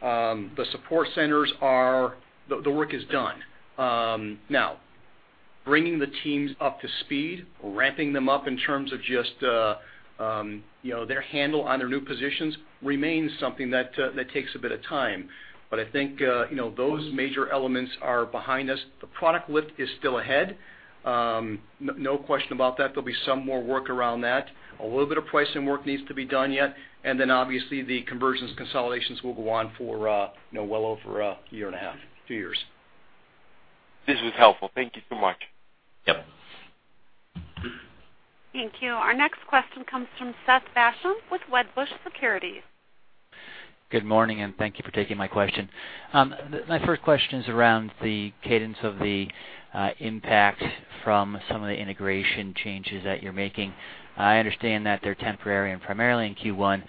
The support centers, the work is done. Now, bringing the teams up to speed, ramping them up in terms of just their handle on their new positions remains something that takes a bit of time. I think those major elements are behind us. The product lift is still ahead. No question about that. There'll be some more work around that. A little bit of pricing work needs to be done yet. Then obviously, the conversions consolidations will go on for well over a year and a half, 2 years. This was helpful. Thank you so much. Yep. Thank you. Our next question comes from Seth Basham with Wedbush Securities. Good morning. Thank you for taking my question. My first question is around the cadence of the impact from some of the integration changes that you're making. I understand that they're temporary and primarily in Q1.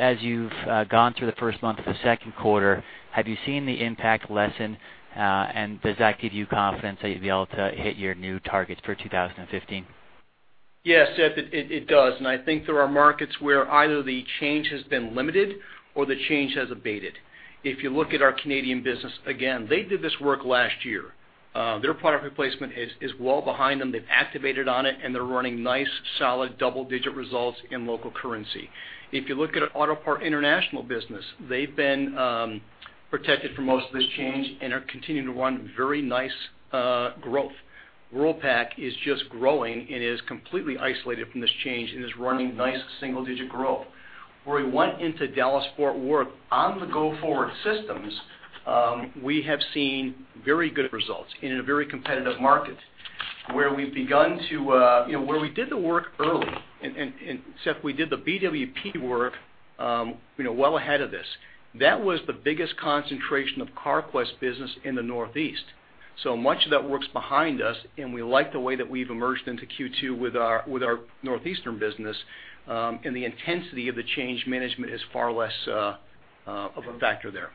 As you've gone through the first month of the second quarter, have you seen the impact lessen? Does that give you confidence that you'll be able to hit your new targets for 2015? Yes, Seth, it does. I think there are markets where either the change has been limited or the change has abated. If you look at our Canadian business, again, they did this work last year. Their product replacement is well behind them. They've activated on it, and they're running nice, solid double-digit results in local currency. If you look at our Autopart International business, they've been protected from most of this change and are continuing to run very nice growth. Worldpac is just growing and is completely isolated from this change and is running nice single-digit growth. Where we went into Dallas Fort Worth on the go-forward systems, we have seen very good results in a very competitive market. Where we did the work early, and Seth, we did the BWP work well ahead of this. That was the biggest concentration of Carquest business in the Northeast. Much of that work's behind us, and we like the way that we've emerged into Q2 with our Northeastern business. The intensity of the change management is far less of a factor there.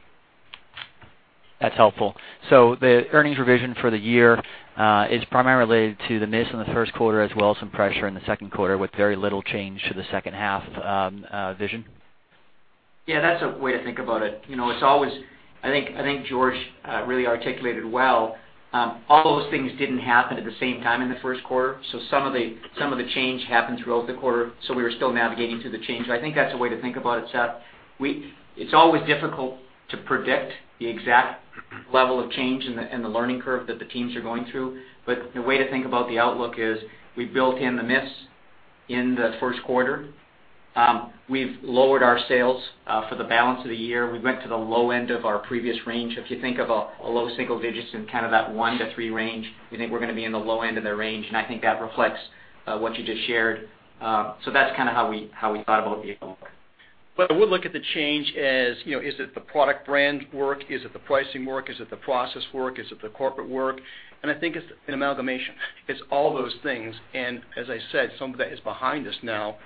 That's helpful. The earnings revision for the year is primarily related to the miss in the first quarter as well as some pressure in the second quarter with very little change to the second half vision. That's a way to think about it. I think George really articulated well. All those things didn't happen at the same time in the first quarter, some of the change happened throughout the quarter, we were still navigating through the change. I think that's a way to think about it, Seth. It's always difficult to predict the exact level of change and the learning curve that the teams are going through. The way to think about the outlook is we built in the miss in the first quarter. We've lowered our sales for the balance of the year. We went to the low end of our previous range. If you think of a low single-digits in kind of that 1-3 range, we think we're going to be in the low end of the range, and I think that reflects what you just shared. That's kind of how we thought about the outlook. I would look at the change as, is it the product brand work? Is it the pricing work? Is it the process work? Is it the corporate work? I think it's an amalgamation. It's all those things. As I said, some of that is behind us now.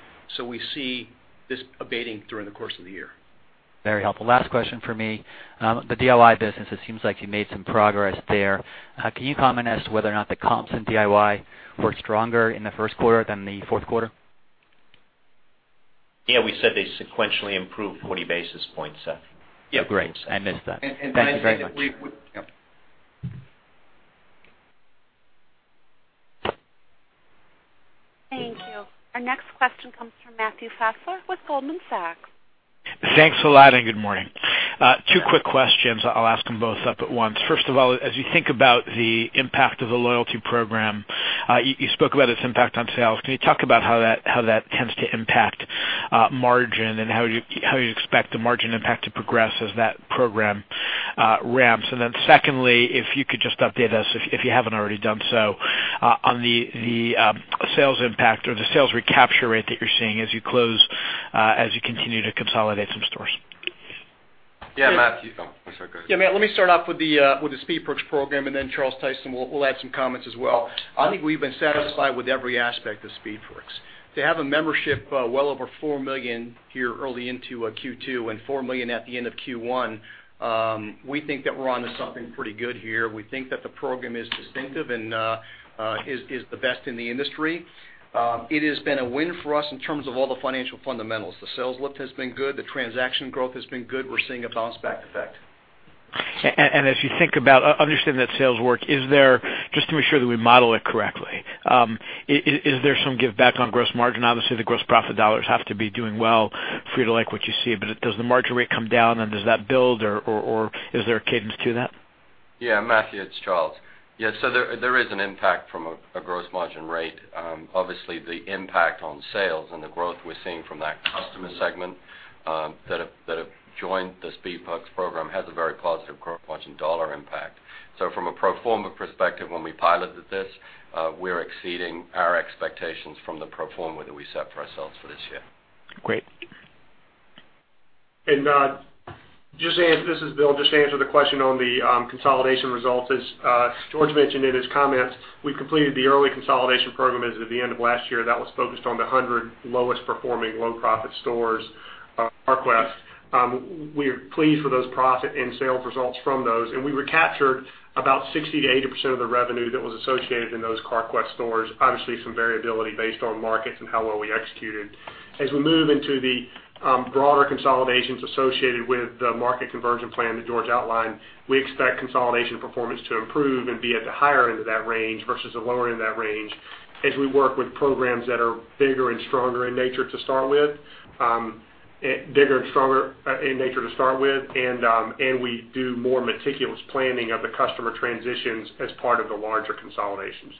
We see this abating during the course of the year. Very helpful. Last question for me. The DIY business, it seems like you made some progress there. Can you comment as to whether or not the comps in DIY were stronger in the first quarter than the fourth quarter? We said they sequentially improved 40 basis points, Seth. Yeah. Great. I missed that. Thank you very much. Yeah. Thank you. Our next question comes from Matthew Fassler with Goldman Sachs. Thanks a lot, and good morning. Two quick questions. I'll ask them both up at once. First of all, as you think about the impact of the loyalty program, you spoke about its impact on sales. Can you talk about how that tends to impact margin and how you expect the margin impact to progress as that program ramps? Secondly, if you could just update us, if you haven't already done so, on the sales impact or the sales recapture rate that you're seeing as you continue to consolidate some stores. Yeah, Matthew. Oh, I'm sorry. Go ahead. Yeah, Matt, let me start off with the SpeedPerks program. Then Charles Tyson will add some comments as well. I think we've been satisfied with every aspect of SpeedPerks. To have a membership well over 4 million here early into Q2 and 4 million at the end of Q1, we think that we're onto something pretty good here. We think that the program is distinctive and is the best in the industry. It has been a win for us in terms of all the financial fundamentals. The sales lift has been good. The transaction growth has been good. We're seeing a bounce-back effect. As you think about understanding that sales work, just to make sure that we model it correctly, is there some giveback on gross margin? Obviously, the gross profit dollars have to be doing well for you to like what you see, but does the margin rate come down or does that build or is there a cadence to that? Yeah, Matthew, it's Charles. Yeah. There is an impact from a gross margin rate. Obviously, the impact on sales and the growth we're seeing from that customer segment that have joined the SpeedPerks program has a very positive gross margin dollar impact. From a pro forma perspective, when we piloted this, we're exceeding our expectations from the pro forma that we set for ourselves for this year. Great. This is Bill. Just to answer the question on the consolidation results, as George mentioned in his comments, we completed the early consolidation program as of the end of last year. That was focused on the 100 lowest performing low profit stores, Carquest. We're pleased with those profit and sales results from those, and we recaptured about 60%-80% of the revenue that was associated in those Carquest stores. Obviously, some variability based on markets and how well we executed. As we move into the broader consolidations associated with the market conversion plan that George outlined, we expect consolidation performance to improve and be at the higher end of that range versus the lower end of that range as we work with programs that are bigger and stronger in nature to start with, and we do more meticulous planning of the customer transitions as part of the larger consolidations.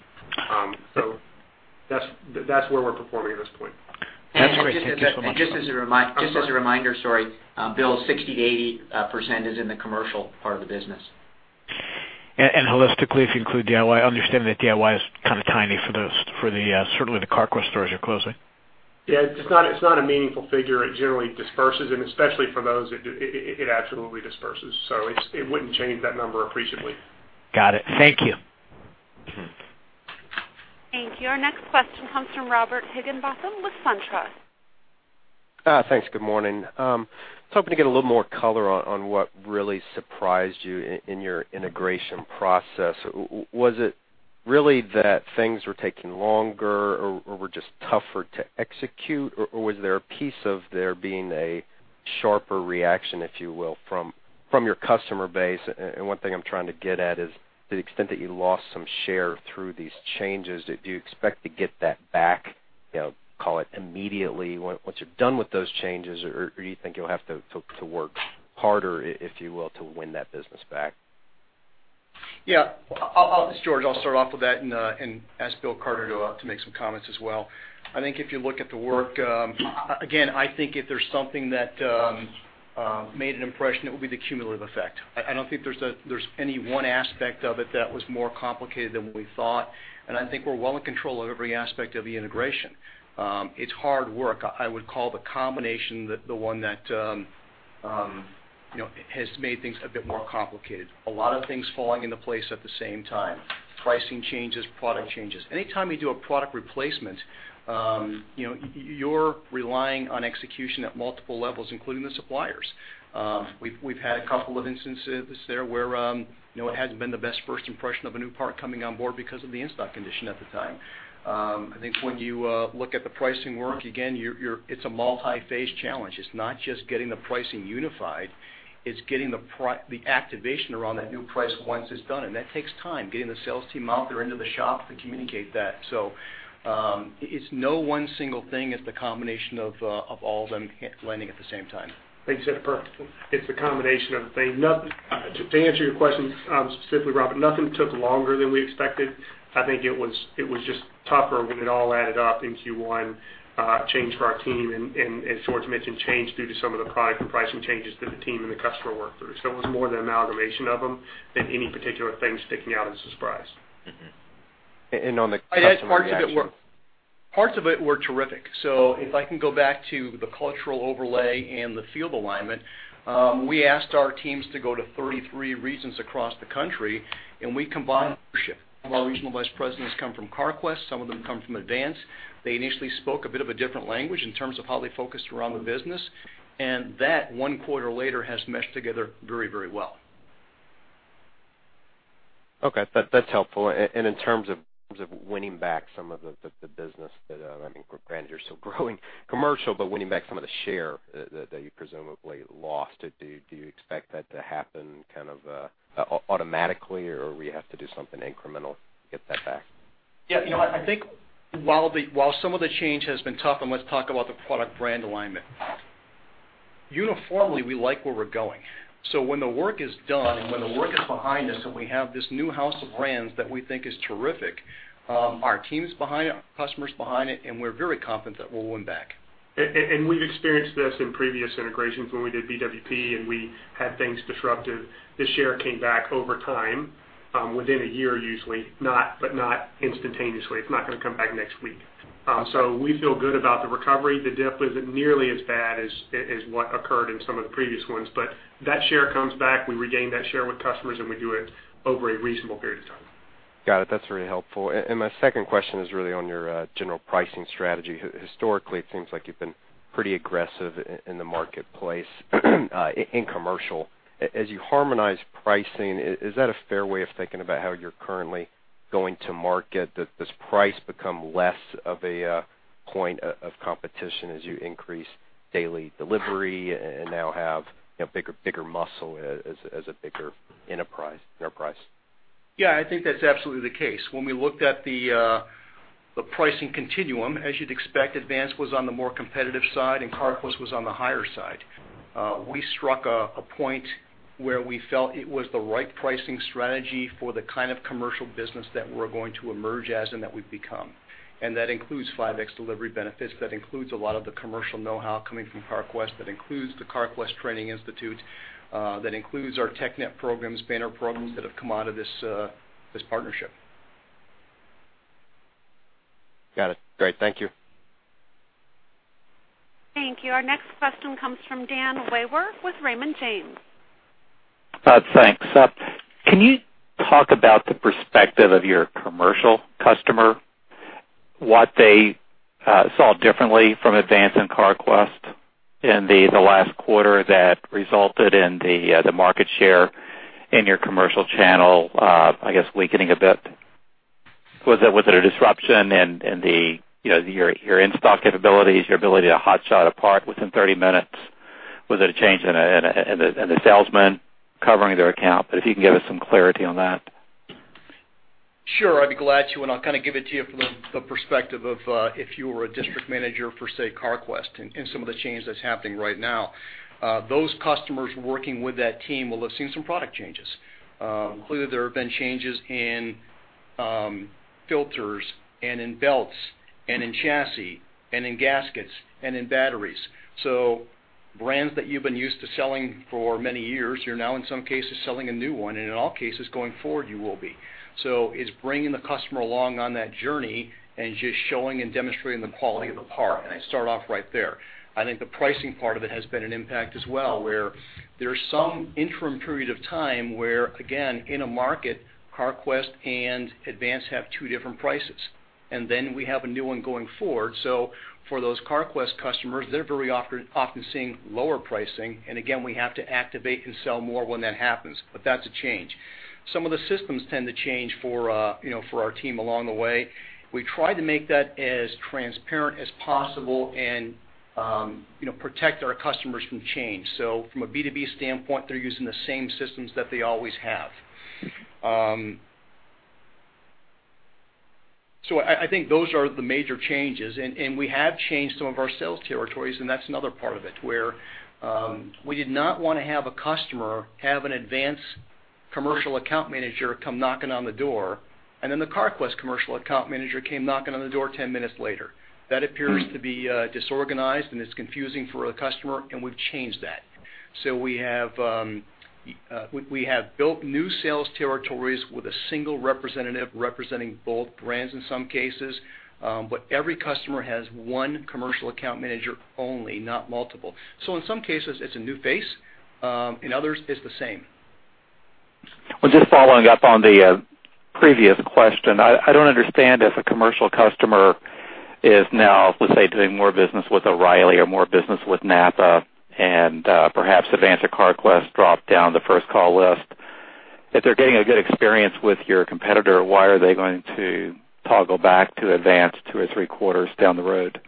That's where we're performing at this point. That's great. Thank you so much. Just as a reminder, sorry, Bill, 60%-80% is in the commercial part of the business. Holistically, if you include DIY, I understand that DIY is kind of tiny for certainly the Carquest stores you're closing. Yeah. It's not a meaningful figure. It generally disperses, and especially for those, it absolutely disperses. It wouldn't change that number appreciably. Got it. Thank you. Thank you. Our next question comes from Robert Higginbotham with SunTrust. Thanks. Good morning. I was hoping to get a little more color on what really surprised you in your integration process. Was it really that things were taking longer or were just tougher to execute? Or was there a piece of there being a sharper reaction, if you will, from your customer base? One thing I'm trying to get at is the extent that you lost some share through these changes. Do you expect to get that back, call it immediately once you're done with those changes, or do you think you'll have to work harder, if you will, to win that business back? Yeah. This is George. I'll start off with that and ask Bill Carter to make some comments as well. I think if you look at the work, again, I think if there's something that made an impression, it would be the cumulative effect. I don't think there's any one aspect of it that was more complicated than what we thought, and I think we're well in control of every aspect of the integration. It's hard work. I would call the combination the one that has made things a bit more complicated. A lot of things falling into place at the same time. Pricing changes, product changes. Anytime you do a product replacement, you're relying on execution at multiple levels, including the suppliers. We've had a couple of instances there where it hasn't been the best first impression of a new part coming on board because of the in-stock condition at the time. I think when you look at the pricing work, again, it's a multi-phase challenge. It's not just getting the pricing unified, it's getting the activation around that new price once it's done, and that takes time, getting the sales team out there into the shop to communicate that. It's no one single thing. It's the combination of all of them landing at the same time. I think you said it perfectly. It's the combination of the thing. To answer your question specifically, Robert, nothing took longer than we expected. I think it was just tougher when it all added up in Q1, change for our team and, as George mentioned, change due to some of the product and pricing changes that the team and the customer worked through. It was more the amalgamation of them than any particular thing sticking out as a surprise. On the customer reaction. Parts of it were terrific. If I can go back to the cultural overlay and the field alignment, we asked our teams to go to 33 regions across the country, and we combined leadership. A lot of regional vice presidents come from Carquest, some of them come from Advance. They initially spoke a bit of a different language in terms of how they focused around the business, and that, one quarter later, has meshed together very well. Okay. That's helpful. In terms of winning back some of the business that, I mean, granted, you're still growing commercial, but winning back some of the share that you presumably lost, do you expect that to happen kind of automatically, or we have to do something incremental to get that back? Yeah. I think while some of the change has been tough, and let's talk about the product brand alignment. Uniformly, we like where we're going. When the work is done and when the work is behind us, and we have this new house of brands that we think is terrific, our team is behind it, our customer's behind it, and we're very confident that we'll win back. We've experienced this in previous integrations when we did BWP, we had things disrupted. The share came back over time, within a year, usually, but not instantaneously. It's not going to come back next week. We feel good about the recovery. The dip isn't nearly as bad as what occurred in some of the previous ones. That share comes back. We regain that share with customers, and we do it over a reasonable period of time. Got it. That's very helpful. My second question is really on your general pricing strategy. Historically, it seems like you've been pretty aggressive in the marketplace in commercial. As you harmonize pricing, is that a fair way of thinking about how you're currently going to market, does price become less of a point of competition as you increase daily delivery and now have bigger muscle as a bigger enterprise? I think that's absolutely the case. When we looked at the pricing continuum, as you'd expect, Advance was on the more competitive side, and Carquest was on the higher side. We struck a point where we felt it was the right pricing strategy for the kind of commercial business that we're going to emerge as and that we've become. That includes 5X delivery benefits. That includes a lot of the commercial know-how coming from Carquest. That includes the Carquest Technical Institute. That includes our TechNet programs, banner programs that have come out of this partnership. Got it. Great. Thank you. Thank you. Our next question comes from Dan Wewer with Raymond James. Thanks. Can you talk about the perspective of your commercial customer, what they saw differently from Advance and Carquest in the last quarter that resulted in the market share in your commercial channel, I guess, weakening a bit? Was it a disruption in your in-stock capabilities, your ability to hot shot a part within 30 minutes? Was it a change in the salesmen covering their account? If you can give us some clarity on that. Sure, I'd be glad to, and I'll kind of give it to you from the perspective of if you were a district manager for, say, Carquest and some of the change that's happening right now. Those customers working with that team will have seen some product changes. Clearly, there have been changes in Filters and in belts and in chassis and in gaskets and in batteries. Brands that you've been used to selling for many years, you're now in some cases selling a new one, and in all cases going forward, you will be. It's bringing the customer along on that journey and just showing and demonstrating the quality of the part, and I start off right there. I think the pricing part of it has been an impact as well, where there's some interim period of time where, again, in a market, Carquest and Advance have two different prices. We have a new one going forward. For those Carquest customers, they're very often seeing lower pricing, and again, we have to activate and sell more when that happens, but that's a change. Some of the systems tend to change for our team along the way. We try to make that as transparent as possible and protect our customers from change. From a B2B standpoint, they're using the same systems that they always have. I think those are the major changes, and we have changed some of our sales territories, and that's another part of it, where we did not want to have a customer have an Advance commercial account manager come knocking on the door, and then the Carquest commercial account manager came knocking on the door 10 minutes later. That appears to be disorganized. It's confusing for a customer, and we've changed that. We have built new sales territories with a single representative representing both brands in some cases. Every customer has one commercial account manager only, not multiple. In some cases, it's a new face. In others, it's the same. Well, just following up on the previous question, I don't understand if a commercial customer is now, let's say, doing more business with O'Reilly or more business with NAPA and perhaps Advance or Carquest dropped down the first call list. If they're getting a good experience with your competitor, why are they going to toggle back to Advance two or three quarters down the road?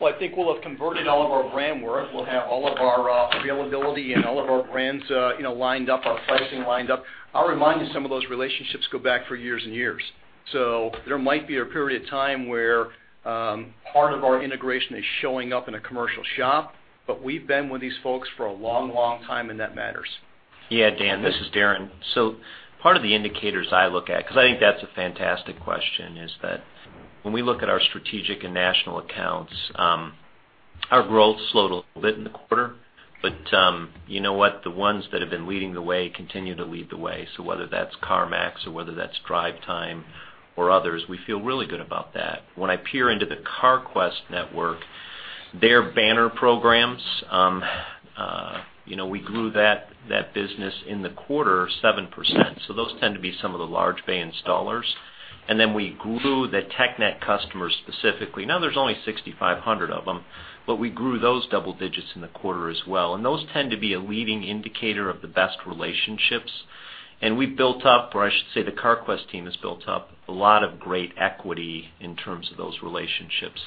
Well, I think we'll have converted all of our brand work. We'll have all of our availability and all of our brands lined up, our pricing lined up. I'll remind you, some of those relationships go back for years and years. There might be a period of time where part of our integration is showing up in a commercial shop. We've been with these folks for a long time, and that matters. Yeah, Dan, this is Darren. Part of the indicators I look at, because I think that's a fantastic question, is that when we look at our strategic and national accounts, our growth slowed a bit in the quarter. You know what? The ones that have been leading the way continue to lead the way. Whether that's CarMax or whether that's DriveTime or others, we feel really good about that. When I peer into the Carquest network, their banner programs, we grew that business in the quarter 7%. Those tend to be some of the large bay installers. We grew the TechNet customers specifically. Now, there's only 6,500 of them, we grew those double digits in the quarter as well, and those tend to be a leading indicator of the best relationships. We've built up, or I should say, the Carquest team has built up a lot of great equity in terms of those relationships.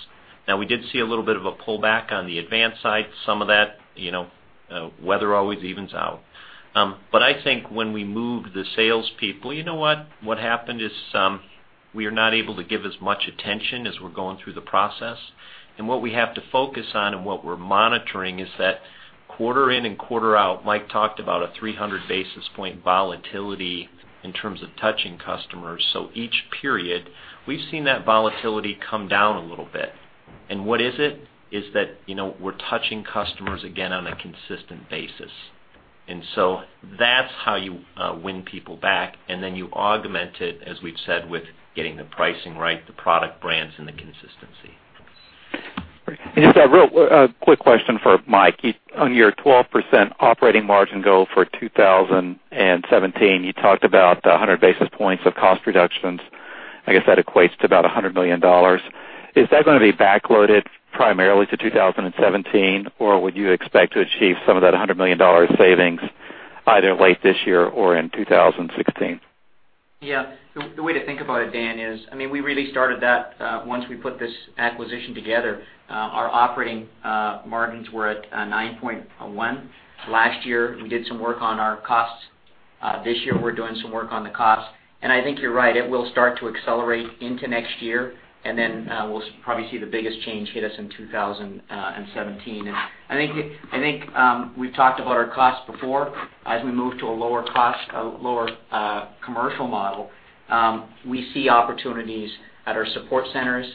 We did see a little bit of a pullback on the Advance side. Some of that, weather always evens out. I think when we moved the salespeople, you know what? What happened is we are not able to give as much attention as we're going through the process. What we have to focus on and what we're monitoring is that quarter in and quarter out, Mike talked about a 300 basis point volatility in terms of touching customers. Each period, we've seen that volatility come down a little bit. What is it? Is that we're touching customers again on a consistent basis. That's how you win people back, then you augment it, as we've said, with getting the pricing right, the product brands, and the consistency. Great. Just a real quick question for Mike. On your 12% operating margin goal for 2017, you talked about 100 basis points of cost reductions. I guess that equates to about $100 million. Is that going to be back-loaded primarily to 2017, or would you expect to achieve some of that $100 million savings either late this year or in 2016? Yeah. The way to think about it, Dan, is, we really started that once we put this acquisition together. Our operating margins were at 9.1%. Last year, we did some work on our costs. This year, we're doing some work on the costs. I think you're right. It will start to accelerate into next year, then we'll probably see the biggest change hit us in 2017. I think we've talked about our costs before. As we move to a lower commercial model, we see opportunities at our support centers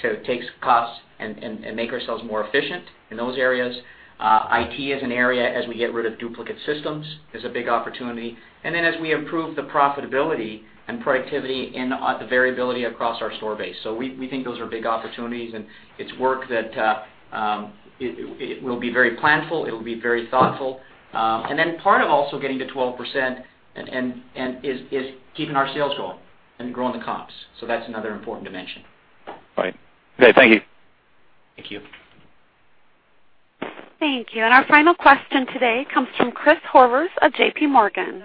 to take costs and make ourselves more efficient in those areas. IT is an area as we get rid of duplicate systems, is a big opportunity. As we improve the profitability and productivity and the variability across our store base. We think those are big opportunities, and it's work that will be very planful, it will be very thoughtful. Part of also getting to 12% is keeping our sales going and growing the comps. That's another important dimension. Right. Okay, thank you. Thank you. Thank you. Our final question today comes from Chris Horvers of J.P. Morgan.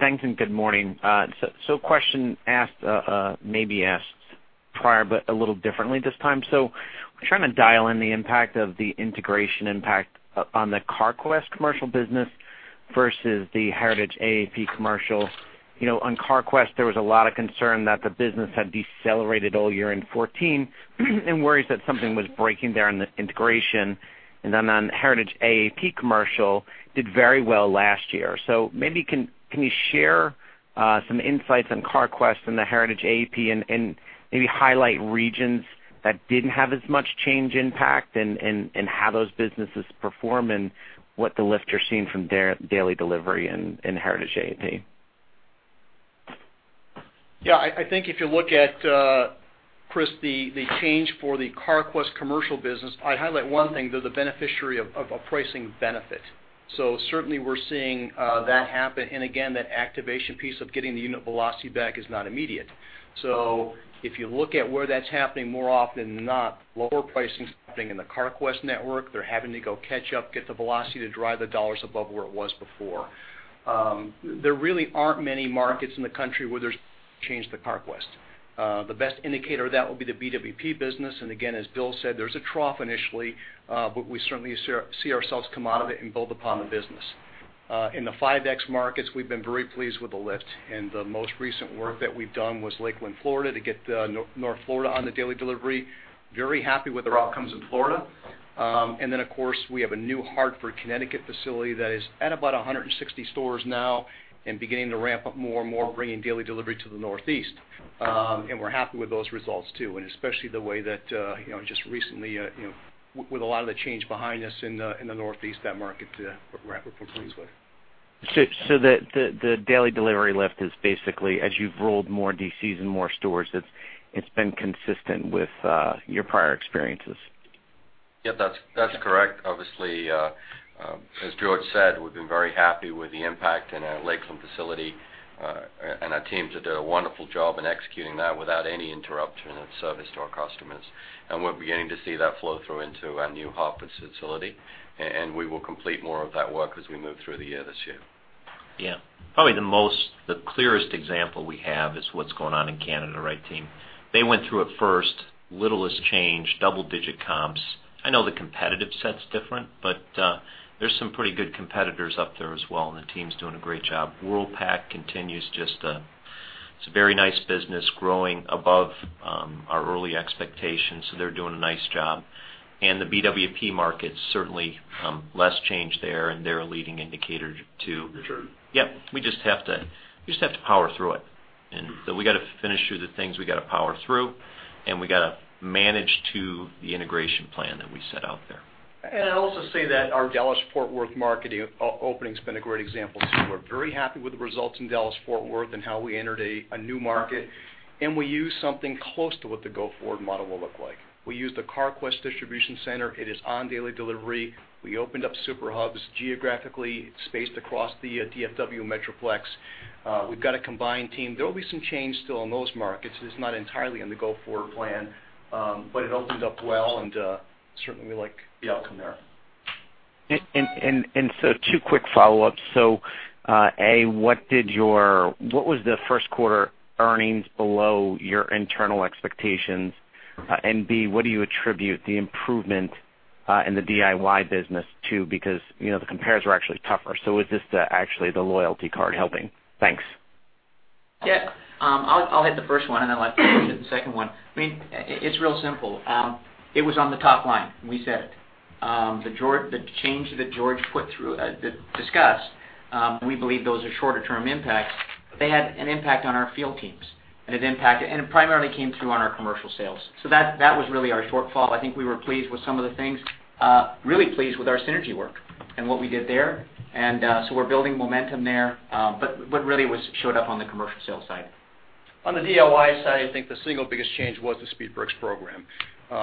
Thanks, and good morning. Question maybe asked prior, but a little differently this time. I'm trying to dial in the impact of the integration impact on the Carquest commercial business versus the heritage AAP commercial. On Carquest, there was a lot of concern that the business had decelerated all year in 2014, and worries that something was breaking there in the integration. On Heritage AAP commercial, did very well last year. Maybe can you share some insights on Carquest and the Heritage AAP and maybe highlight regions that didn't have as much change impact and how those businesses perform and what the lift you're seeing from daily delivery in Heritage AAP? Yeah. I think if you look at, Chris, the change for the Carquest commercial business, I'd highlight one thing, they're the beneficiary of a pricing benefit. Certainly we're seeing that happen. That activation piece of getting the unit velocity back is not immediate. If you look at where that's happening more often than not, lower pricing's happening in the Carquest network. They're having to go catch up, get the velocity to drive the dollars above where it was before. There really aren't many markets in the country where there's change to Carquest. The best indicator of that will be the BWP business. As Bill said, there's a trough initially, but we certainly see ourselves come out of it and build upon the business. In the 5X markets, we've been very pleased with the lift, and the most recent work that we've done was Lakeland, Florida, to get North Florida on the daily delivery. Very happy with the outcomes in Florida. Of course, we have a new Hartford, Connecticut facility that is at about 160 stores now and beginning to ramp up more and more, bringing daily delivery to the Northeast. We're happy with those results, too, and especially the way that, just recently, with a lot of the change behind us in the Northeast, that market we're quite pleased with. The daily delivery lift is basically, as you've rolled more DCs and more stores, it's been consistent with your prior experiences. Yeah, that's correct. Obviously, as George Sherman said, we've been very happy with the impact in our Lakeland facility. Our teams have done a wonderful job in executing that without any interruption in service to our customers. We're beginning to see that flow through into our new Hartford facility, and we will complete more of that work as we move through the year this year. Yeah. Probably the clearest example we have is what's going on in Canada, right, team? They went through it first. Littlest change, double-digit comps. I know the competitive set's different, but there's some pretty good competitors up there as well, and the team's doing a great job. Worldpac continues, just a very nice business growing above our early expectations, so they're doing a nice job. The BWP markets, certainly less change there, and they're a leading indicator, too. That's right. Yeah. We just have to power through it. So we got to finish through the things we got to power through, and we got to manage to the integration plan that we set out there. I'd also say that our Dallas-Fort Worth market opening's been a great example, too. We're very happy with the results in Dallas-Fort Worth and how we entered a new market, and we use something close to what the go-forward model will look like. We use the Carquest distribution center. It is on daily delivery. We opened up super hubs geographically spaced across the DFW Metroplex. We've got a combined team. There will be some change still in those markets. It's not entirely in the go-forward plan, but it opened up well, and certainly we like the outcome there. Two quick follow-ups. A, what was the first quarter earnings below your internal expectations, and B, what do you attribute the improvement in the DIY business to? The compares were actually tougher. Is this actually the loyalty card helping? Thanks. Yeah. I'll hit the first one, and then I'll let George hit the second one. It's real simple. It was on the top line. We said it. The change that George discussed, and we believe those are shorter-term impacts, but they had an impact on our field teams. It primarily came through on our commercial sales. That was really our shortfall. I think we were pleased with some of the things. Really pleased with our synergy work and what we did there. We're building momentum there. Really what showed up on the commercial sales side. On the DIY side, I think the single biggest change was the SpeedPerks program.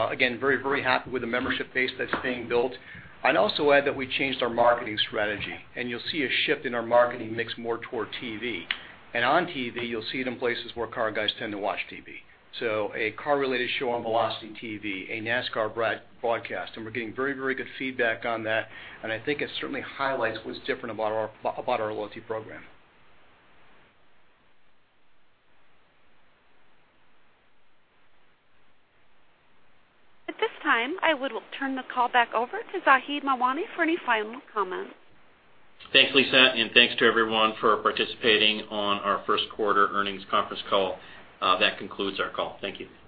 Again, very, very happy with the membership base that's being built. I'd also add that we changed our marketing strategy, and you'll see a shift in our marketing mix more toward TV. On TV, you'll see it in places where car guys tend to watch TV. A car-related show on Velocity TV, a NASCAR broadcast. We're getting very, very good feedback on that. I think it certainly highlights what's different about our loyalty program. At this time, I will turn the call back over to Zaheed Mawani for any final comments. Thanks, Lisa, and thanks to everyone for participating on our first quarter earnings conference call. That concludes our call. Thank you.